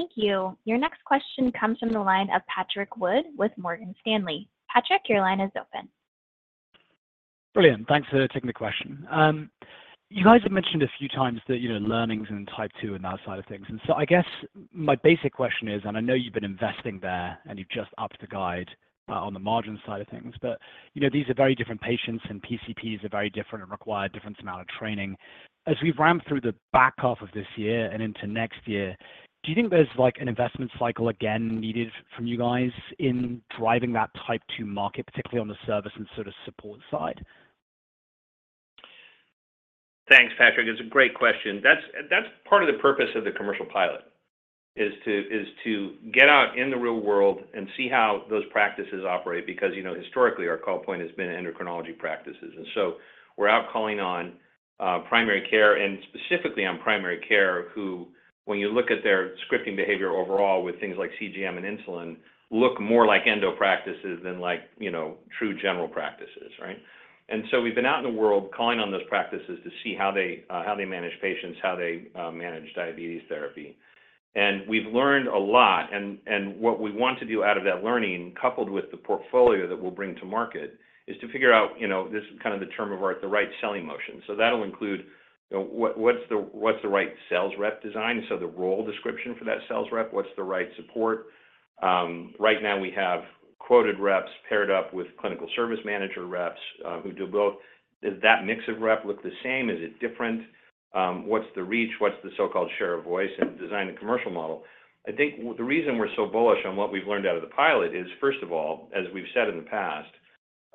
[SPEAKER 1] Thank you. Your next question comes from the line of Patrick Wood with Morgan Stanley. Patrick, your line is open.
[SPEAKER 11] Brilliant. Thanks for taking the question. You guys have mentioned a few times the learnings in Type 2 and that side of things. And so I guess my basic question is, and I know you've been investing there and you've just upped the guide on the margin side of things, but these are very different patients and PCPs are very different and require a different amount of training. As we've ramped through the back half of this year and into next year, do you think there's an investment cycle again needed from you guys in driving that Type 2 market, particularly on the service and sort of support side?
[SPEAKER 3] Thanks, Patrick. It's a great question. That's part of the purpose of the commercial pilot, is to get out in the real world and see how those practices operate because historically, our call point has been endocrinology practices. And so we're out calling on primary care and specifically on primary care who, when you look at their scripting behavior overall with things like CGM and insulin, look more like endo practices than true general practices, right? And so we've been out in the world calling on those practices to see how they manage patients, how they manage diabetes therapy. And we've learned a lot. And what we want to do out of that learning, coupled with the portfolio that we'll bring to market, is to figure out, this is kind of the term of art, the right selling motion. So that'll include what's the right sales rep design? So the role description for that sales rep, what's the right support? Right now, we have quota reps paired up with clinical service manager reps who do both. Does that mix of rep look the same? Is it different? What's the reach? What's the so-called share of voice and design the commercial model? I think the reason we're so bullish on what we've learned out of the pilot is, first of all, as we've said in the past,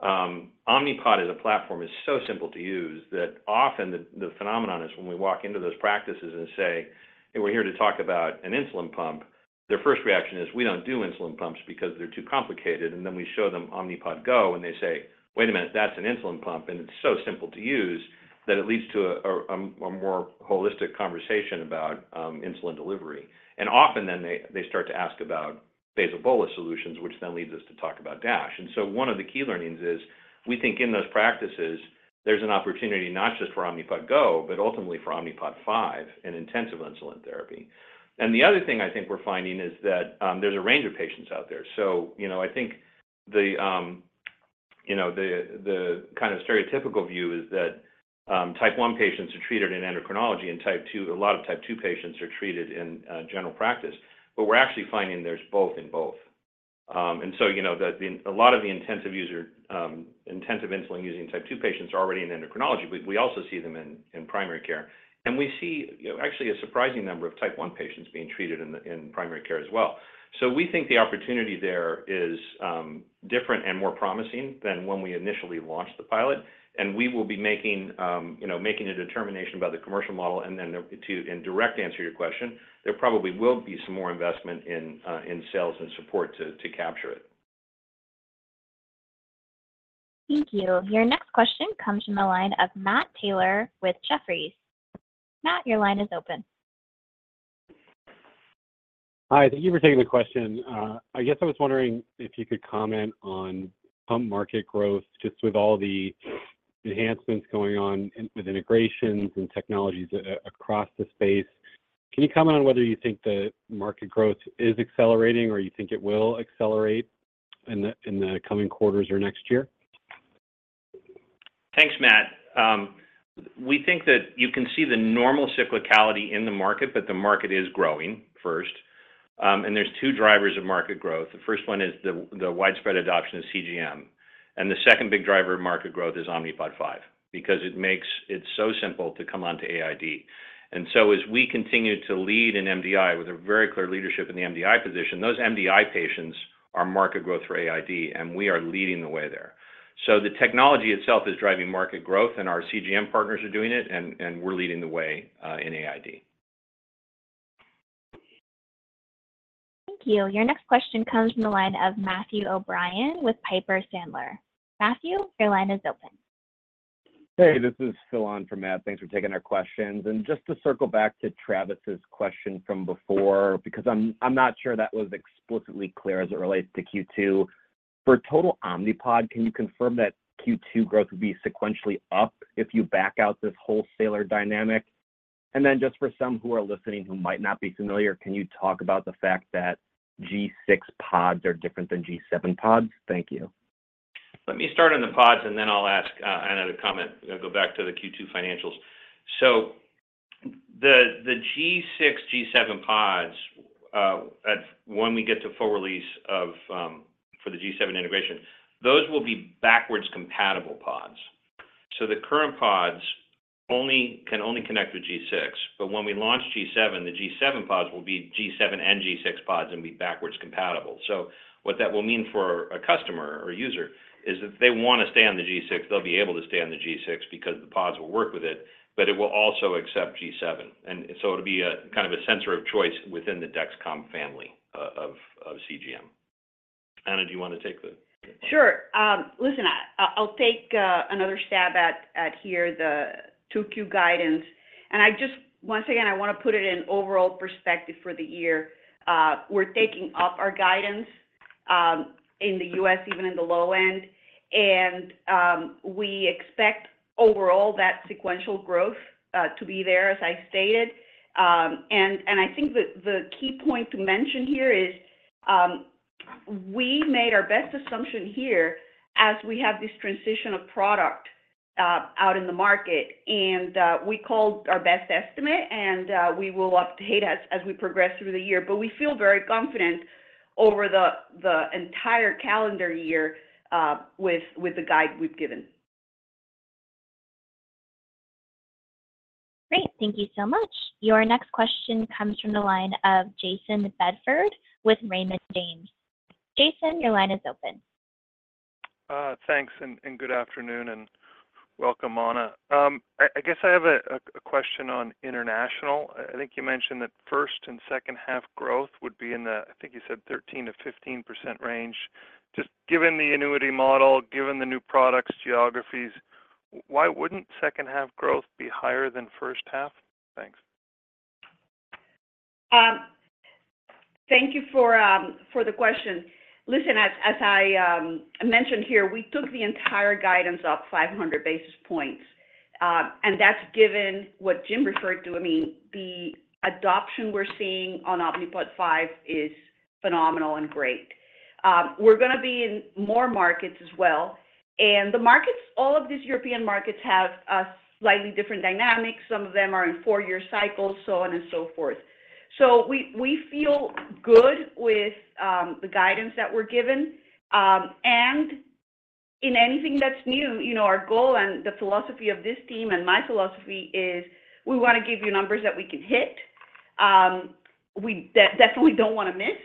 [SPEAKER 3] Omnipod as a platform is so simple to use that often the phenomenon is when we walk into those practices and say, "Hey, we're here to talk about an insulin pump," their first reaction is, "We don't do insulin pumps because they're too complicated." And then we show them Omnipod GO, and they say, "Wait a minute, that's an insulin pump, and it's so simple to use," that it leads to a more holistic conversation about insulin delivery. And often then, they start to ask about basal-bolus solutions, which then leads us to talk about DASH. One of the key learnings is we think in those practices, there's an opportunity not just for Omnipod GO, but ultimately for Omnipod 5 and intensive insulin therapy. The other thing I think we're finding is that there's a range of patients out there. I think the kind of stereotypical view is that Type 1 patients are treated in endocrinology and a lot of Type 2 patients are treated in general practice. But we're actually finding there's both in both. A lot of the intensive insulin using Type 2 patients are already in endocrinology, but we also see them in primary care. We see actually a surprising number of Type 1 patients being treated in primary care as well. We think the opportunity there is different and more promising than when we initially launched the pilot. We will be making a determination by the commercial model. Then to direct answer your question, there probably will be some more investment in sales and support to capture it.
[SPEAKER 1] Thank you. Your next question comes from the line of Matt Taylor with Jefferies. Matt, your line is open.
[SPEAKER 12] Hi, thank you for taking the question. I guess I was wondering if you could comment on pump market growth just with all the enhancements going on with integrations and technologies across the space. Can you comment on whether you think the market growth is accelerating or you think it will accelerate in the coming quarters or next year?
[SPEAKER 3] Thanks, Matt. We think that you can see the normal cyclicality in the market, but the market is growing first. There's two drivers of market growth. The first one is the widespread adoption of CGM. The second big driver of market growth is Omnipod 5 because it makes it so simple to come onto AID. So as we continue to lead in MDI with a very clear leadership in the MDI position, those MDI patients are market growth for AID, and we are leading the way there. The technology itself is driving market growth, and our CGM partners are doing it, and we're leading the way in AID.
[SPEAKER 1] Thank you. Your next question comes from the line of Matthew O'Brien with Piper Sandler. Matthew, your line is open.
[SPEAKER 13] Hey, this is Phil on for Matt. Thanks for taking our questions. Just to circle back to Travis's question from before because I'm not sure that was explicitly clear as it relates to Q2. For total Omnipod, can you confirm that Q2 growth would be sequentially up if you back out this wholesaler dynamic? And then just for some who are listening who might not be familiar, can you talk about the fact that G6 pods are different than G7 pods? Thank you.
[SPEAKER 3] Let me start on the pods, and then I'll ask Ana to comment. I'll go back to the Q2 financials. So the G6, G7 pods, when we get to full release for the G7 integration, those will be backward compatible pods. So the current pods can only connect with G6. But when we launch G7, the G7 pods will be G7 and G6 pods and be backward compatible. So what that will mean for a customer or user is that if they want to stay on the G6, they'll be able to stay on the G6 because the pods will work with it, but it will also accept G7. And so it'll be kind of a sensor of choice within the Dexcom family of CGM. Ana, do you want to take the?
[SPEAKER 4] Sure. Listen, I'll take another stab at here, the 2Q guidance. Once again, I want to put it in overall perspective for the year. We're taking up our guidance in the U.S., even in the low end. We expect overall that sequential growth to be there, as I stated. I think the key point to mention here is we made our best assumption here as we have this transition of product out in the market. We called our best estimate, and we will update as we progress through the year. We feel very confident over the entire calendar year with the guide we've given.
[SPEAKER 1] Great. Thank you so much. Your next question comes from the line of Jayson Bedford with Raymond James. Jayson, your line is open.
[SPEAKER 14] Thanks and good afternoon and welcome, Ana. I guess I have a question on international. I think you mentioned that first and second half growth would be in the, I think you said, 13%-15% range. Just given the annuity model, given the new products geographies, why wouldn't second half growth be higher than first half? Thanks.
[SPEAKER 4] Thank you for the question. Listen, as I mentioned here, we took the entire guidance up 500 basis points. That's given what Jim referred to. I mean, the adoption we're seeing on Omnipod 5 is phenomenal and great. We're going to be in more markets as well. All of these European markets have slightly different dynamics. Some of them are in four-year cycles, so on and so forth. We feel good with the guidance that we're given. In anything that's new, our goal and the philosophy of this team and my philosophy is we want to give you numbers that we can hit. We definitely don't want to miss.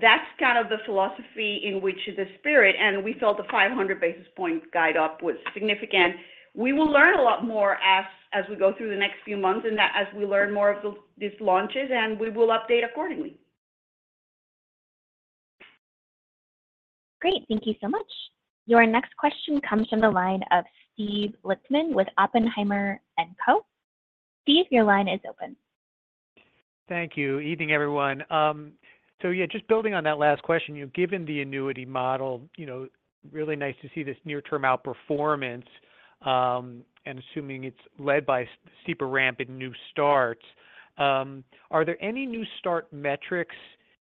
[SPEAKER 4] That's kind of the philosophy in which the spirit and we felt the 500 basis point guide up was significant. We will learn a lot more as we go through the next few months and as we learn more of these launches, and we will update accordingly.
[SPEAKER 1] Great. Thank you so much. Your next question comes from the line of Steve Lichtman with Oppenheimer & Co. Steve, your line is open.
[SPEAKER 15] Thank you. Evening, everyone. So yeah, just building on that last question, given the annuity model, really nice to see this near-term outperformance and assuming it's led by steeper ramp in new starts. Are there any new start metrics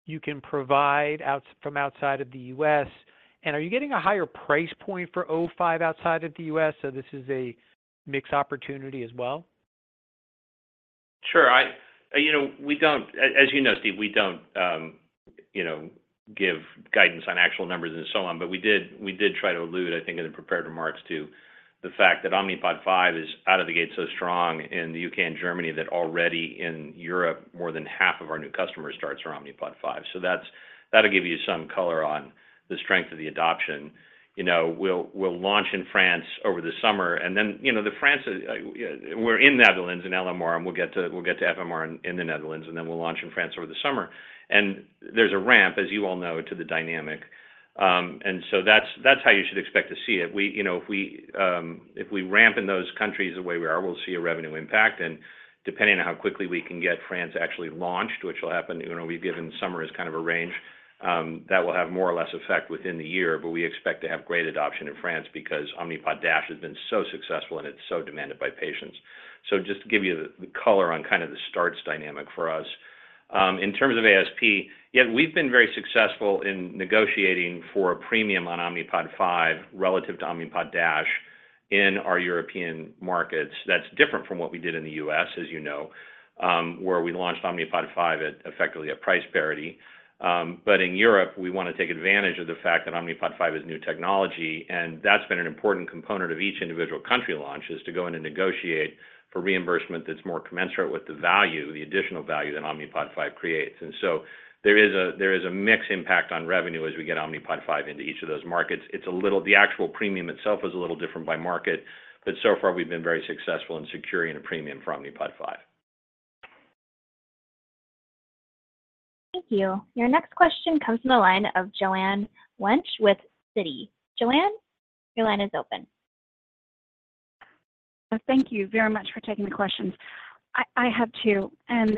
[SPEAKER 15] you can provide from outside of the U.S.? And are you getting a higher price point for O5 outside of the U.S.? So this is a mixed opportunity as well.
[SPEAKER 3] Sure. As you know, Steve, we don't give guidance on actual numbers and so on, but we did try to allude, I think, in the preparatory remarks to the fact that Omnipod 5 is out of the gate so strong in the U.K. and Germany that already in Europe, more than half of our new customer starts are Omnipod 5. So that'll give you some color on the strength of the adoption. We'll launch in France over the summer. And then in France, we're in the Netherlands, in LMR, and we'll get to FMR in the Netherlands, and then we'll launch in France over the summer. And there's a ramp, as you all know, to the dynamic. And so that's how you should expect to see it. If we ramp in those countries the way we are, we'll see a revenue impact. And depending on how quickly we can get France actually launched, which will happen, we've given summer as kind of a range, that will have more or less effect within the year. But we expect to have great adoption in France because Omnipod DASH has been so successful, and it's so demanded by patients. So just to give you the color on kind of the starts dynamic for us. In terms of ASP, yeah, we've been very successful in negotiating for a premium on Omnipod 5 relative to Omnipod DASH in our European markets. That's different from what we did in the U.S., as you know, where we launched Omnipod 5 effectively at price parity. But in Europe, we want to take advantage of the fact that Omnipod 5 is new technology. And that's been an important component of each individual country launch is to go in and negotiate for reimbursement that's more commensurate with the additional value that Omnipod 5 creates. And so there is a mixed impact on revenue as we get Omnipod 5 into each of those markets. The actual premium itself is a little different by market, but so far, we've been very successful in securing a premium for Omnipod 5.
[SPEAKER 1] Thank you. Your next question comes from the line of Joanne Wuensch with Citi. Joanne, your line is open.
[SPEAKER 16] Thank you very much for taking the questions. I have two. And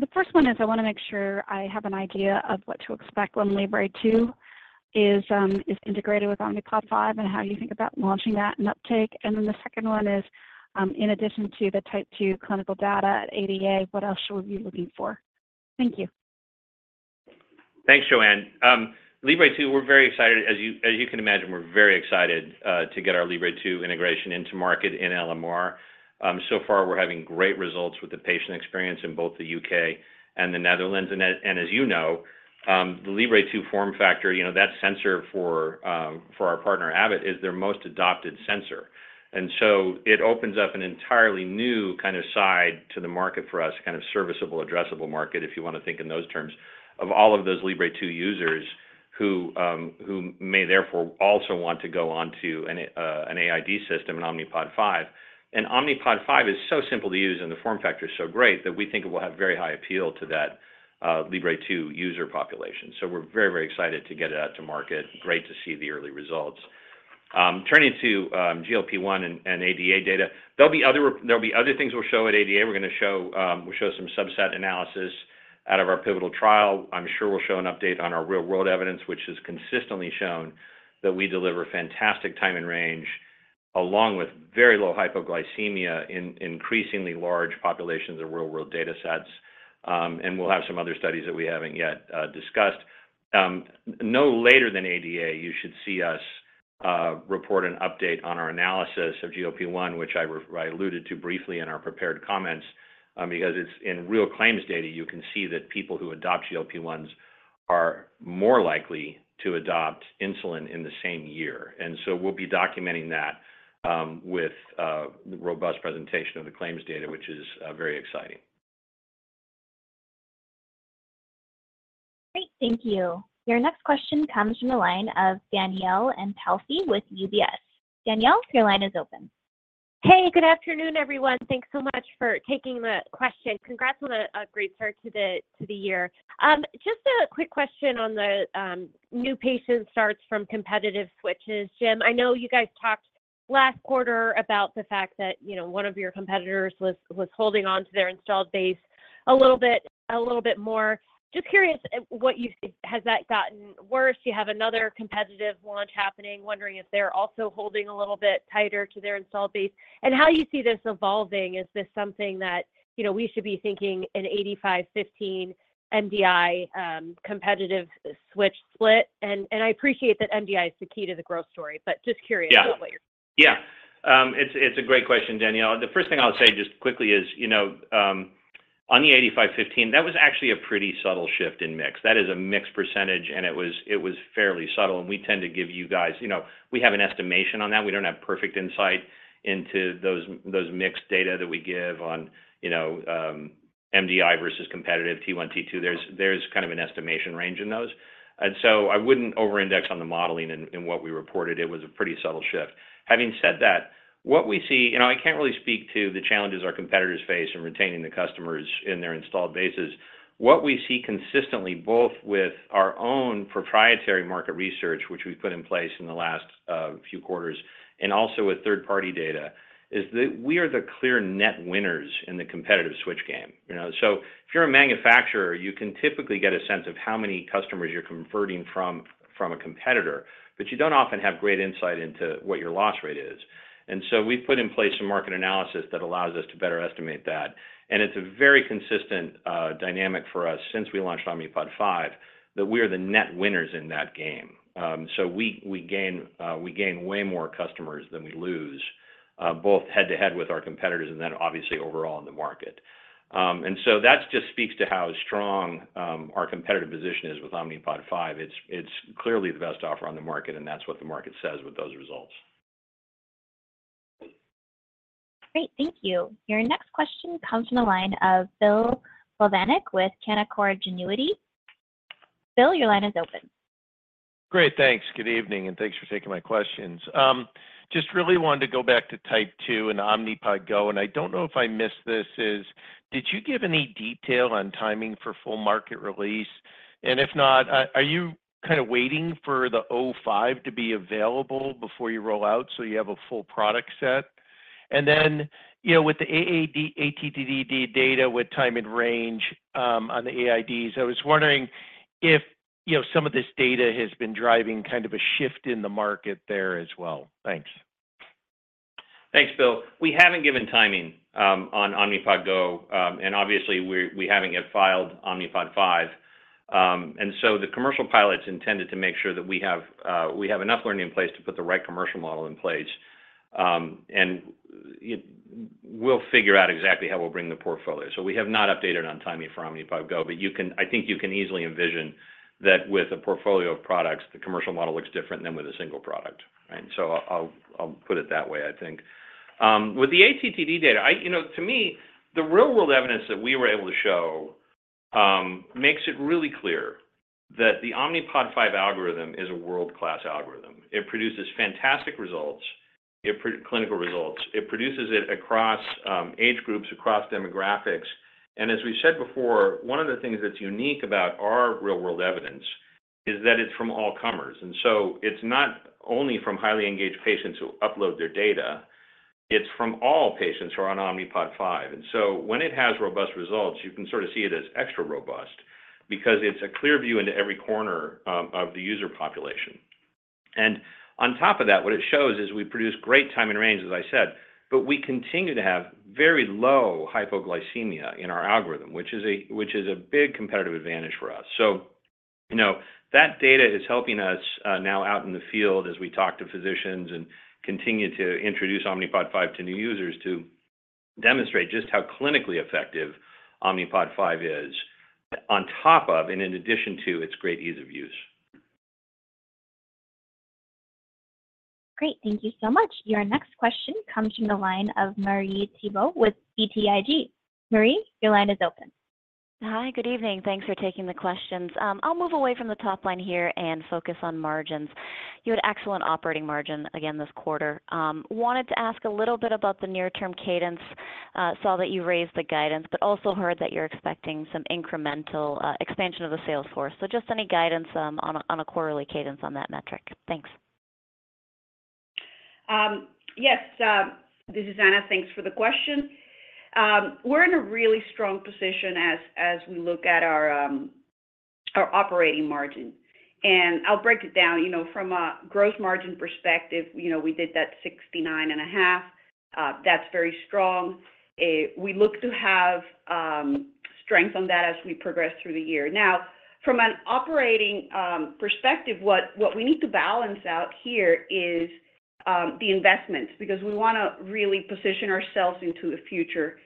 [SPEAKER 16] the first one is I want to make sure I have an idea of what to expect when Libre 2 is integrated with Omnipod 5 and how you think about launching that and uptake. And then the second one is, in addition to the Type 2 clinical data at ADA, what else should we be looking for? Thank you.
[SPEAKER 3] Thanks, Joanne. Libre 2, we're very excited. As you can imagine, we're very excited to get our Libre 2 integration into market in LMR. So far, we're having great results with the patient experience in both the UK and the Netherlands. And as you know, the Libre 2 form factor, that sensor for our partner, Abbott, is their most adopted sensor. And so it opens up an entirely new kind of side to the market for us, kind of serviceable, addressable market, if you want to think in those terms, of all of those Libre 2 users who may therefore also want to go onto an AID system, an Omnipod 5. And Omnipod 5 is so simple to use, and the form factor is so great that we think it will have very high appeal to that Libre 2 user population. So we're very, very excited to get it out to market. Great to see the early results. Turning to GLP-1 and ADA data, there'll be other things we'll show at ADA. We'll show some subset analysis out of our pivotal trial. I'm sure we'll show an update on our real-world evidence, which has consistently shown that we deliver fantastic Time in Range along with very low hypoglycemia in increasingly large populations of real-world data sets. And we'll have some other studies that we haven't yet discussed. No later than ADA, you should see us report an update on our analysis of GLP-1, which I alluded to briefly in our prepared comments because in real claims data, you can see that people who adopt GLP-1s are more likely to adopt insulin in the same year. And so we'll be documenting that with the robust presentation of the claims data, which is very exciting.
[SPEAKER 1] Great. Thank you. Your next question comes from the line of Danielle Antalffy with UBS. Danielle, your line is open.
[SPEAKER 17] Hey, good afternoon, everyone. Thanks so much for taking the question. Congrats on a great start to the year. Just a quick question on the new patient starts from competitive switches. Jim, I know you guys talked last quarter about the fact that one of your competitors was holding on to their installed base a little bit more. Just curious, has that gotten worse? You have another competitive launch happening. Wondering if they're also holding a little bit tighter to their installed base. And how you see this evolving? Is this something that we should be thinking an 85/15 MDI competitive switch split? And I appreciate that MDI is the key to the growth story, but just curious about what you're.
[SPEAKER 3] Yeah. It's a great question, Danielle. The first thing I'll say just quickly is on the 85/15, that was actually a pretty subtle shift in mix. That is a mix percentage, and it was fairly subtle. And we tend to give you guys we have an estimation on that. We don't have perfect insight into those mix data that we give on MDI versus competitive T1, T2. There's kind of an estimation range in those. And so I wouldn't over-index on the modeling in what we reported. It was a pretty subtle shift. Having said that, what we see I can't really speak to the challenges our competitors face in retaining the customers in their installed bases. What we see consistently, both with our own proprietary market research, which we've put in place in the last few quarters, and also with third-party data, is that we are the clear net winners in the competitive switch game. So if you're a manufacturer, you can typically get a sense of how many customers you're converting from a competitor, but you don't often have great insight into what your loss rate is. And so we've put in place some market analysis that allows us to better estimate that. And it's a very consistent dynamic for us since we launched Omnipod 5 that we are the net winners in that game. So we gain way more customers than we lose, both head-to-head with our competitors and then, obviously, overall in the market. And so that just speaks to how strong our competitive position is with Omnipod 5. It's clearly the best offer on the market, and that's what the market says with those results.
[SPEAKER 1] Great. Thank you. Your next question comes from the line of Bill Plovanic with Canaccord Genuity. Bill, your line is open.
[SPEAKER 18] Great. Thanks. Good evening, and thanks for taking my questions. Just really wanted to go back to Type 2 and Omnipod GO. And I don't know if I missed this, did you give any detail on timing for full market release? And if not, are you kind of waiting for the Omnipod 5 to be available before you roll out so you have a full product set? And then with the ADA, ATTD data with time in range on the AIDs, I was wondering if some of this data has been driving kind of a shift in the market there as well. Thanks.
[SPEAKER 3] Thanks, Bill. We haven't given timing on Omnipod GO. And obviously, we haven't yet filed Omnipod 5. And so the commercial pilot's intended to make sure that we have enough learning in place to put the right commercial model in place. And we'll figure out exactly how we'll bring the portfolio. So we have not updated on timing for Omnipod GO, but I think you can easily envision that with a portfolio of products, the commercial model looks different than with a single product. So I'll put it that way, I think. With the ATTD data, to me, the real-world evidence that we were able to show makes it really clear that the Omnipod 5 algorithm is a world-class algorithm. It produces fantastic clinical results. It produces it across age groups, across demographics. As we said before, one of the things that's unique about our real-world evidence is that it's from all comers. And so it's not only from highly engaged patients who upload their data. It's from all patients who are on Omnipod 5. And so when it has robust results, you can sort of see it as extra robust because it's a clear view into every corner of the user population. And on top of that, what it shows is we produce great time in range, as I said, but we continue to have very low hypoglycemia in our algorithm, which is a big competitive advantage for us. So that data is helping us now out in the field as we talk to physicians and continue to introduce Omnipod 5 to new users to demonstrate just how clinically effective Omnipod 5 is, on top of and in addition to its great ease of use.
[SPEAKER 1] Great. Thank you so much. Your next question comes from the line of Marie Thibault with BTIG. Marie, your line is open.
[SPEAKER 19] Hi. Good evening. Thanks for taking the questions. I'll move away from the top line here and focus on margins. You had excellent operating margin, again, this quarter. Wanted to ask a little bit about the near-term cadence. Saw that you raised the guidance, but also heard that you're expecting some incremental expansion of the sales force. So just any guidance on a quarterly cadence on that metric. Thanks.
[SPEAKER 4] Yes. This is Ana. Thanks for the question. We're in a really strong position as we look at our operating margin. And I'll break it down. From a gross margin perspective, we did that 69.5%. That's very strong. We look to have strength on that as we progress through the year. Now, from an operating perspective, what we need to balance out here is the investments because we want to really position ourselves into the future.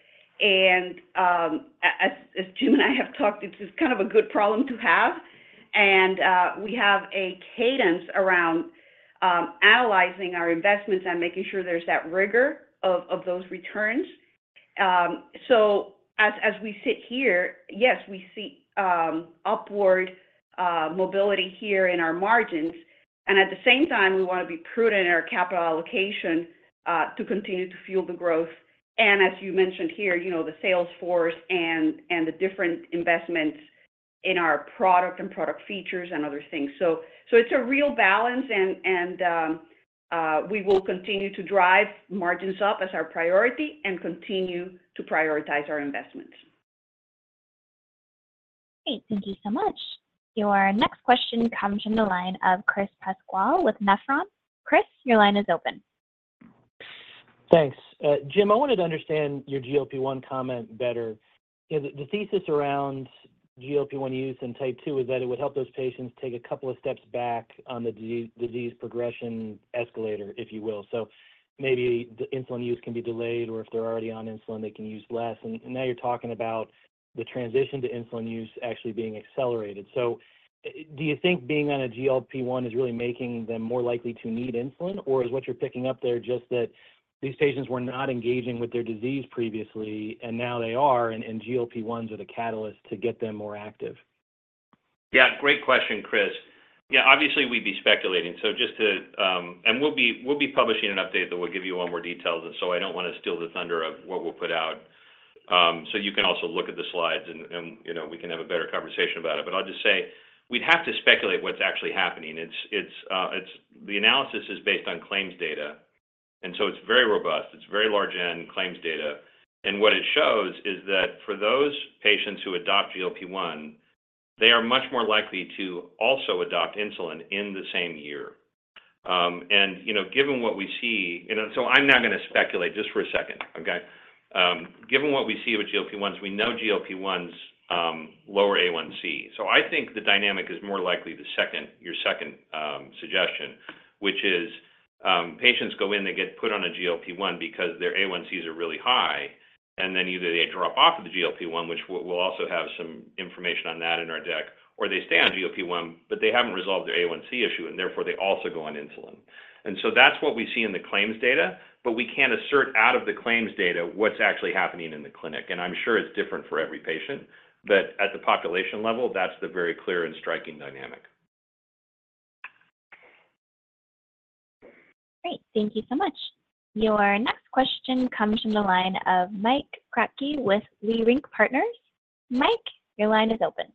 [SPEAKER 4] And as Jim and I have talked, it's kind of a good problem to have. And we have a cadence around analyzing our investments and making sure there's that rigor of those returns. So as we sit here, yes, we see upward mobility here in our margins. And at the same time, we want to be prudent in our capital allocation to continue to fuel the growth. As you mentioned here, the sales force and the different investments in our product and product features and other things. It's a real balance, and we will continue to drive margins up as our priority and continue to prioritize our investments.
[SPEAKER 1] Great. Thank you so much. Your next question comes from the line of Chris Pasquale with Nephron with Nephron. Chris, your line is open.
[SPEAKER 20] Thanks. Jim, I wanted to understand your GLP-1 comment better. The thesis around GLP-1 use and Type 2 is that it would help those patients take a couple of steps back on the disease progression escalator, if you will. So maybe the insulin use can be delayed, or if they're already on insulin, they can use less. And now you're talking about the transition to insulin use actually being accelerated. So do you think being on a GLP-1 is really making them more likely to need insulin, or is what you're picking up there just that these patients were not engaging with their disease previously, and now they are, and GLP-1s are the catalyst to get them more active?
[SPEAKER 3] Yeah. Great question, Chris. Yeah. Obviously, we'd be speculating. We'll be publishing an update that will give you one more detail. So I don't want to steal the thunder of what we'll put out. You can also look at the slides, and we can have a better conversation about it. But I'll just say we'd have to speculate what's actually happening. The analysis is based on claims data. So it's very robust. It's very large-scale claims data. What it shows is that for those patients who adopt GLP-1, they are much more likely to also adopt insulin in the same year. And given what we see and so I'm not going to speculate just for a second, okay? Given what we see with GLP-1s, we know GLP-1s lower A1c. So I think the dynamic is more likely your second suggestion, which is patients go in, they get put on a GLP-1 because their A1c is really high, and then either they drop off of the GLP-1, which we'll also have some information on that in our deck, or they stay on GLP-1, but they haven't resolved their A1c issue, and therefore, they also go on insulin. And so that's what we see in the claims data, but we can't assert out of the claims data what's actually happening in the clinic. And I'm sure it's different for every patient. But at the population level, that's the very clear and striking dynamic.
[SPEAKER 1] Great. Thank you so much. Your next question comes from the line of Mike Kratky with Leerink Partners. Mike, your line is open.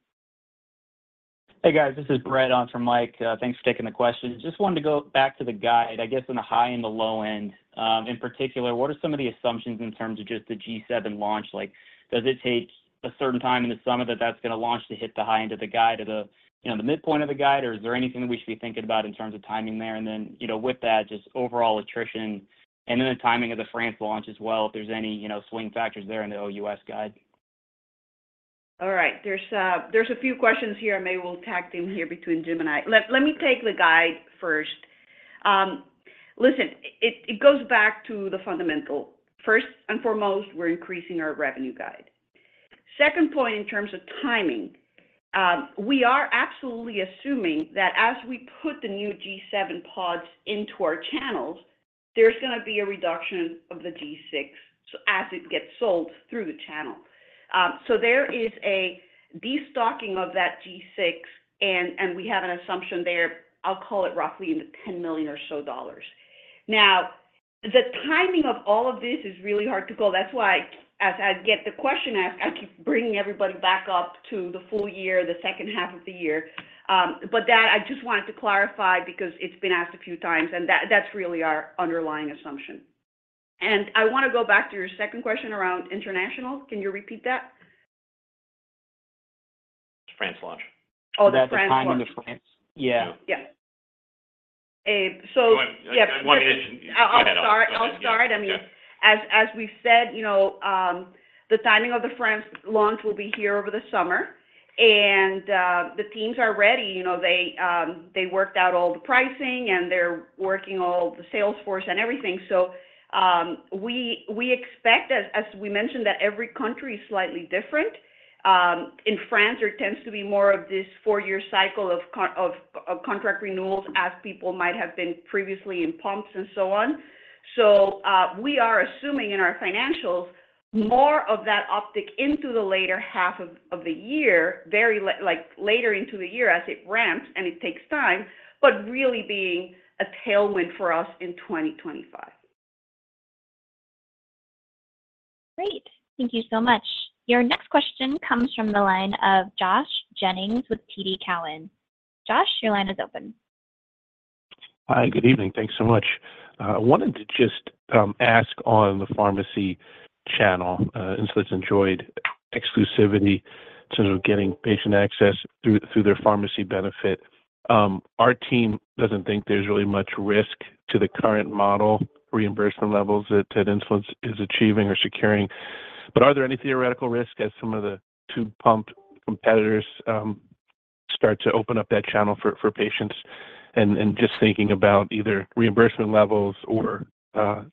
[SPEAKER 21] Hey, guys. This is Brett from Mike. Thanks for taking the question. Just wanted to go back to the guide, I guess, in the high and the low end. In particular, what are some of the assumptions in terms of just the G7 launch? Does it take a certain time in the summer that that's going to launch to hit the high end of the guide, the midpoint of the guide, or is there anything that we should be thinking about in terms of timing there? And then with that, just overall attrition and then the timing of the France launch as well, if there's any swing factors there in the OUS guide.
[SPEAKER 4] All right. There's a few questions here. I may well tag them here between Jim and I. Let me take the guide first. Listen, it goes back to the fundamentals. First and foremost, we're increasing our revenue guide. Second point, in terms of timing, we are absolutely assuming that as we put the new G7 pods into our channels, there's going to be a reduction of the G6 as it gets sold through the channel. So there is a destocking of that G6, and we have an assumption there. I'll call it roughly $10 million or so. Now, the timing of all of this is really hard to call. That's why as I get the question asked, I keep bringing everybody back up to the full year, the second half of the year. But that, I just wanted to clarify because it's been asked a few times, and that's really our underlying assumption. I want to go back to your second question around international. Can you repeat that?
[SPEAKER 3] France launch.
[SPEAKER 4] Oh, the timing of France. Yeah. Yeah. Yeah.
[SPEAKER 3] So yeah. Go ahead.
[SPEAKER 4] I'll start. I mean, as we've said, the timing of the France launch will be here over the summer. The teams are ready. They worked out all the pricing, and they're working all the sales force and everything. We expect, as we mentioned, that every country is slightly different. In France, there tends to be more of this four-year cycle of contract renewals as people might have been previously in pumps and so on. We are assuming in our financials more of that optics into the later half of the year, later into the year as it ramps and it takes time, but really being a tailwind for us in 2025.
[SPEAKER 1] Great. Thank you so much. Your next question comes from the line of Josh Jennings with TD Cowen. Josh, your line is open.
[SPEAKER 22] Hi. Good evening. Thanks so much. I wanted to just ask on the pharmacy channel. Insulet's enjoyed exclusivity in terms of getting patient access through their pharmacy benefit. Our team doesn't think there's really much risk to the current model reimbursement levels that Insulet's is achieving or securing. But are there any theoretical risks as some of the tube-pumped competitors start to open up that channel for patients and just thinking about either reimbursement levels or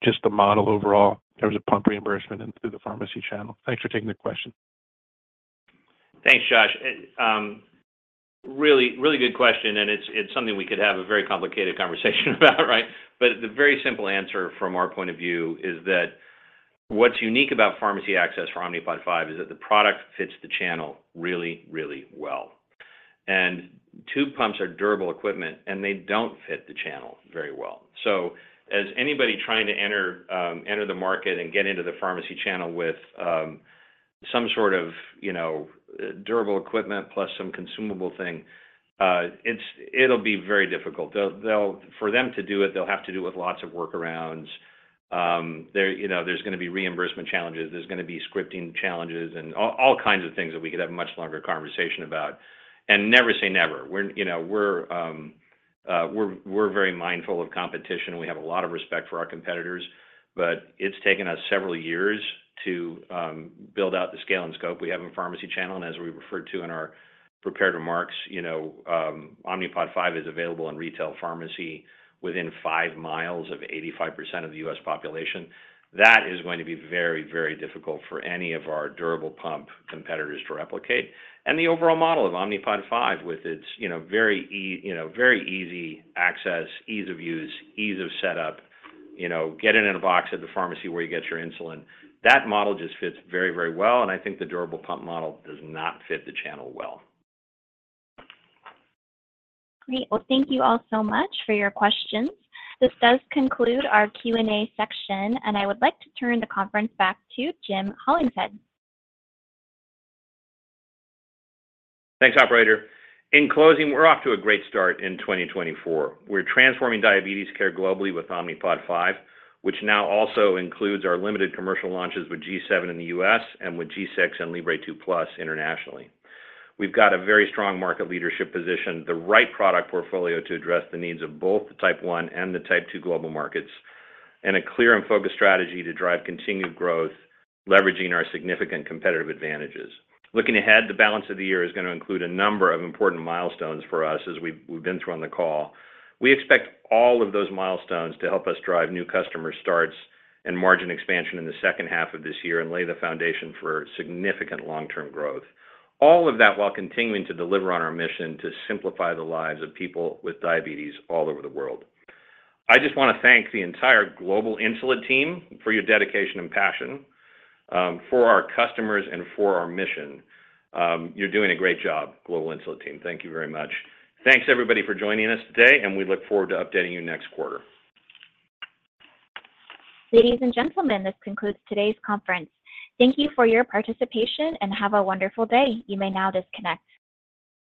[SPEAKER 22] just the model overall in terms of pump reimbursement and through the pharmacy channel? Thanks for taking the question.
[SPEAKER 3] Thanks, Josh. Really good question, and it's something we could have a very complicated conversation about, right? But the very simple answer from our point of view is that what's unique about pharmacy access for Omnipod 5 is that the product fits the channel really, really well. And tube pumps are durable equipment, and they don't fit the channel very well. So as anybody trying to enter the market and get into the pharmacy channel with some sort of durable equipment plus some consumable thing, it'll be very difficult. For them to do it, they'll have to do it with lots of workarounds. There's going to be reimbursement challenges. There's going to be scripting challenges and all kinds of things that we could have a much longer conversation about. And never say never. We're very mindful of competition, and we have a lot of respect for our competitors. But it's taken us several years to build out the scale and scope we have in pharmacy channel. And as we referred to in our prepared remarks, Omnipod 5 is available in retail pharmacy within five miles of 85% of the U.S. population. That is going to be very, very difficult for any of our durable pump competitors to replicate. And the overall model of Omnipod 5 with its very easy access, ease of use, ease of setup, get it in a box at the pharmacy where you get your insulin, that model just fits very, very well. And I think the durable pump model does not fit the channel well.
[SPEAKER 1] Great. Well, thank you all so much for your questions. This does conclude our Q&A section, and I would like to turn the conference back to Jim Hollingshead.
[SPEAKER 3] Thanks, operator. In closing, we're off to a great start in 2024. We're transforming diabetes care globally with Omnipod 5, which now also includes our limited commercial launches with G7 in the US and with G6 and Libre 2 Plus internationally. We've got a very strong market leadership position, the right product portfolio to address the needs of both the Type 1 and the Type 2 global markets, and a clear and focused strategy to drive continued growth leveraging our significant competitive advantages. Looking ahead, the balance of the year is going to include a number of important milestones for us as we've been through on the call. We expect all of those milestones to help us drive new customer starts and margin expansion in the second half of this year and lay the foundation for significant long-term growth, all of that while continuing to deliver on our mission to simplify the lives of people with diabetes all over the world. I just want to thank the entire global Insulet team for your dedication and passion, for our customers, and for our mission. You're doing a great job, global Insulet team. Thank you very much. Thanks, everybody, for joining us today, and we look forward to updating you next quarter.
[SPEAKER 1] Ladies and gentlemen, this concludes today's conference. Thank you for your participation, and have a wonderful day. You may now disconnect.